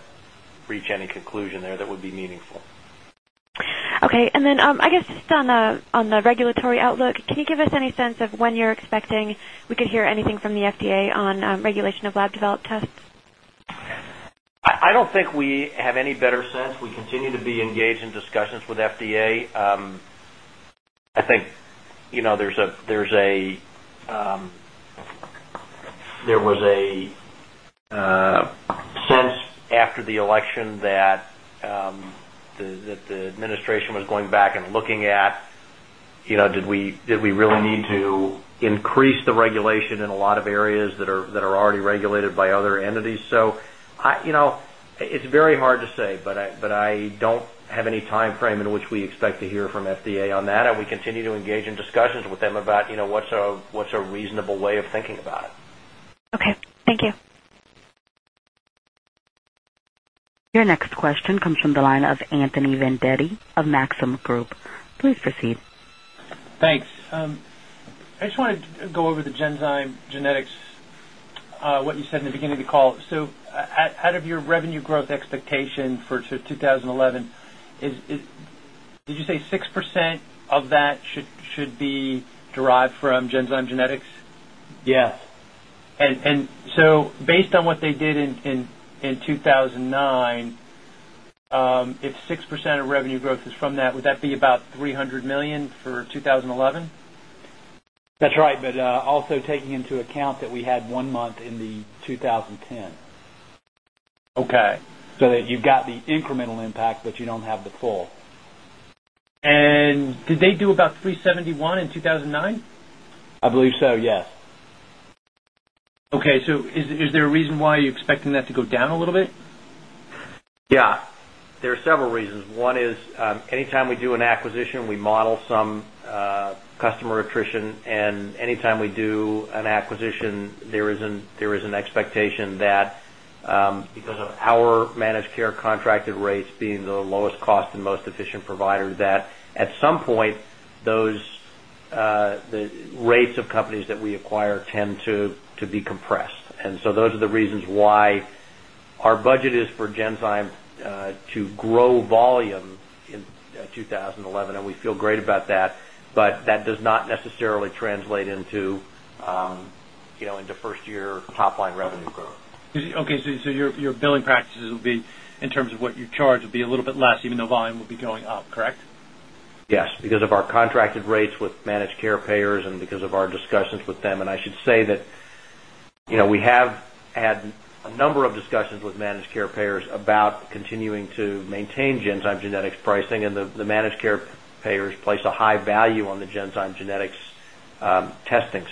reach any conclusion there that would be meaningful. Okay. I guess just on the regulatory outlook, can you give us any sense of when you're expecting we could hear anything from the FDA on regulation of lab-developed tests? I don't think we have any better sense. We continue to be engaged in discussions with FDA. I think there was a sense after the election that the administration was going back and looking at, did we really need to increase the regulation in a lot of areas that are already regulated by other entities? It is very hard to say, but I don't have any time frame in which we expect to hear from FDA on that. We continue to engage in discussions with them about what's a reasonable way of thinking about it. Okay. Thank you. Your next question comes from the line of Anthony Vendetti of Maxim Group. Please proceed. Thanks. I just wanted to go over the Genzyme Genetics, what you said in the beginning of the call. So out of your revenue growth expectation for 2011, did you say 6% of that should be derived from Genzyme Genetics? Yes. Based on what they did in 2009, if 6% of revenue growth is from that, would that be about $300 million for 2011? That's right. But also taking into account that we had one month in the 2010. Okay. So that you've got the incremental impact, but you don't have the full. Did they do about 371 in 2009? I believe so, yes. Okay. So is there a reason why you're expecting that to go down a little bit? Yeah. There are several reasons. One is anytime we do an acquisition, we model some customer attrition. Anytime we do an acquisition, there is an expectation that because of our managed care contracted rates being the lowest cost and most efficient provider, at some point, the rates of companies that we acquire tend to be compressed. Those are the reasons why our budget is for Genzyme to grow volume in 2011. We feel great about that. That does not necessarily translate into first-year top-line revenue growth. Okay. So your billing practices will be in terms of what you charge, it'll be a little bit less even though volume will be going up, correct? Yes. Because of our contracted rates with managed care payers and because of our discussions with them. I should say that we have had a number of discussions with managed care payers about continuing to maintain Genzyme Genetics pricing. The managed care payers place a high value on the Genzyme Genetics testing.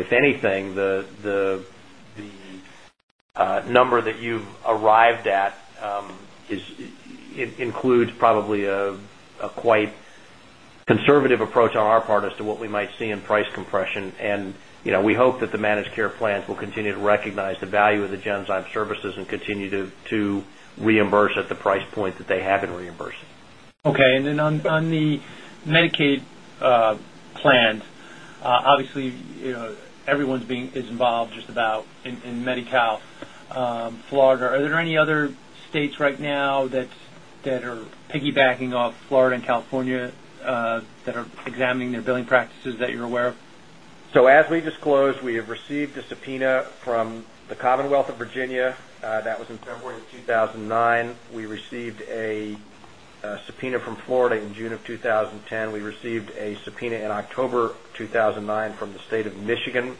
If anything, the number that you've arrived at includes probably a quite conservative approach on our part as to what we might see in price compression. We hope that the managed care plans will continue to recognize the value of the Genzyme services and continue to reimburse at the price point that they have been reimbursing. Okay. On the Medicaid plans, obviously, everyone is involved, just about in Medi-Cal, Florida. Are there any other states right now that are piggybacking off Florida and California that are examining their billing practices that you're aware of? As we disclosed, we have received a subpoena from the Commonwealth of Virginia. That was in February of 2009. We received a subpoena from Florida in June of 2010. We received a subpoena in October 2009 from the state of Michigan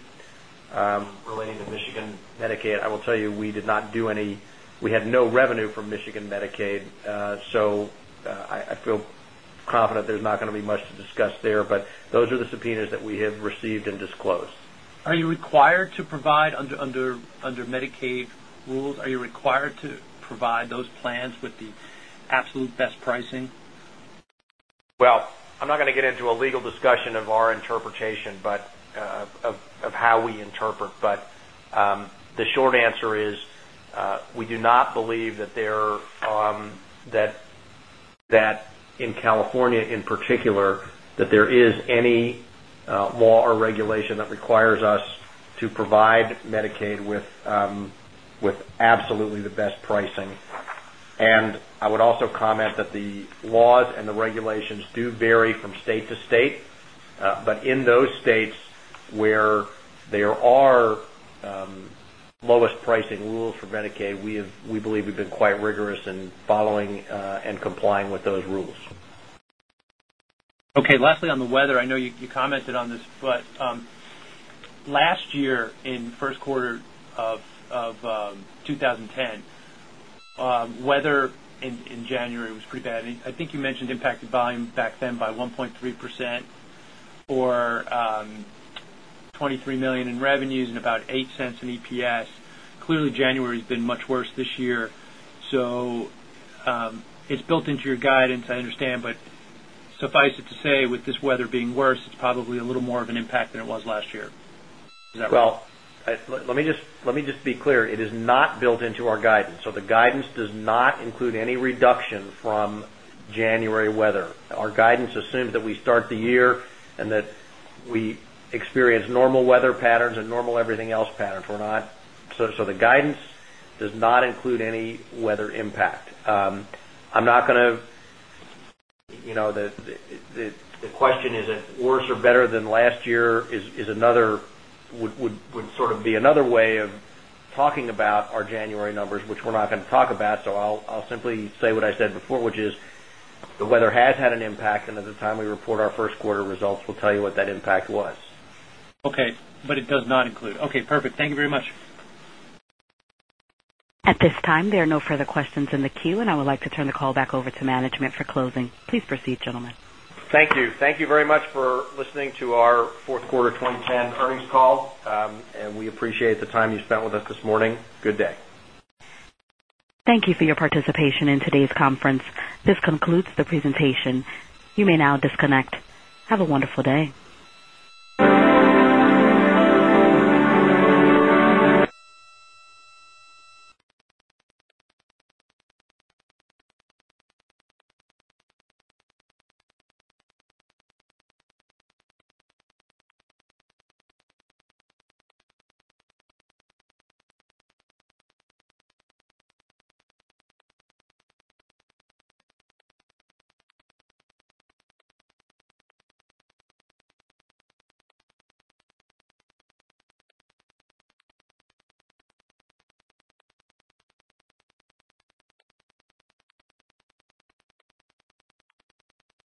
relating to Michigan Medicaid. I will tell you, we did not do any, we had no revenue from Michigan Medicaid. I feel confident there's not going to be much to discuss there. Those are the subpoenas that we have received and disclosed. Are you required to provide under Medicaid rules, are you required to provide those plans with the absolute best pricing? I'm not going to get into a legal discussion of our interpretation of how we interpret. The short answer is we do not believe that in California, in particular, that there is any law or regulation that requires us to provide Medicaid with absolutely the best pricing. I would also comment that the laws and the regulations do vary from state to state. In those states where there are lowest pricing rules for Medicaid, we believe we've been quite rigorous in following and complying with those rules. Okay. Lastly, on the weather, I know you commented on this. Last year, in the first quarter of 2010, weather in January was pretty bad. I think you mentioned impacted volume back then by 1.3% or $23 million in revenues and about $0.08 in EPS. Clearly, January has been much worse this year. It is built into your guidance, I understand. Suffice it to say, with this weather being worse, it is probably a little more of an impact than it was last year. Is that right? Let me just be clear. It is not built into our guidance. The guidance does not include any reduction from January weather. Our guidance assumes that we start the year and that we experience normal weather patterns and normal everything else patterns. The guidance does not include any weather impact. I'm not going to—the question is, is it worse or better than last year is another, would sort of be another way of talking about our January numbers, which we're not going to talk about. I will simply say what I said before, which is the weather has had an impact. At the time we report our first quarter results, we will tell you what that impact was. Okay. It does not include. Okay. Perfect. Thank you very much. At this time, there are no further questions in the queue. I would like to turn the call back over to management for closing. Please proceed, gentlemen. Thank you. Thank you very much for listening to our fourth quarter 2010 earnings call. We appreciate the time you spent with us this morning. Good day. Thank you for your participation in today's conference. This concludes the presentation. You may now disconnect. Have a wonderful day.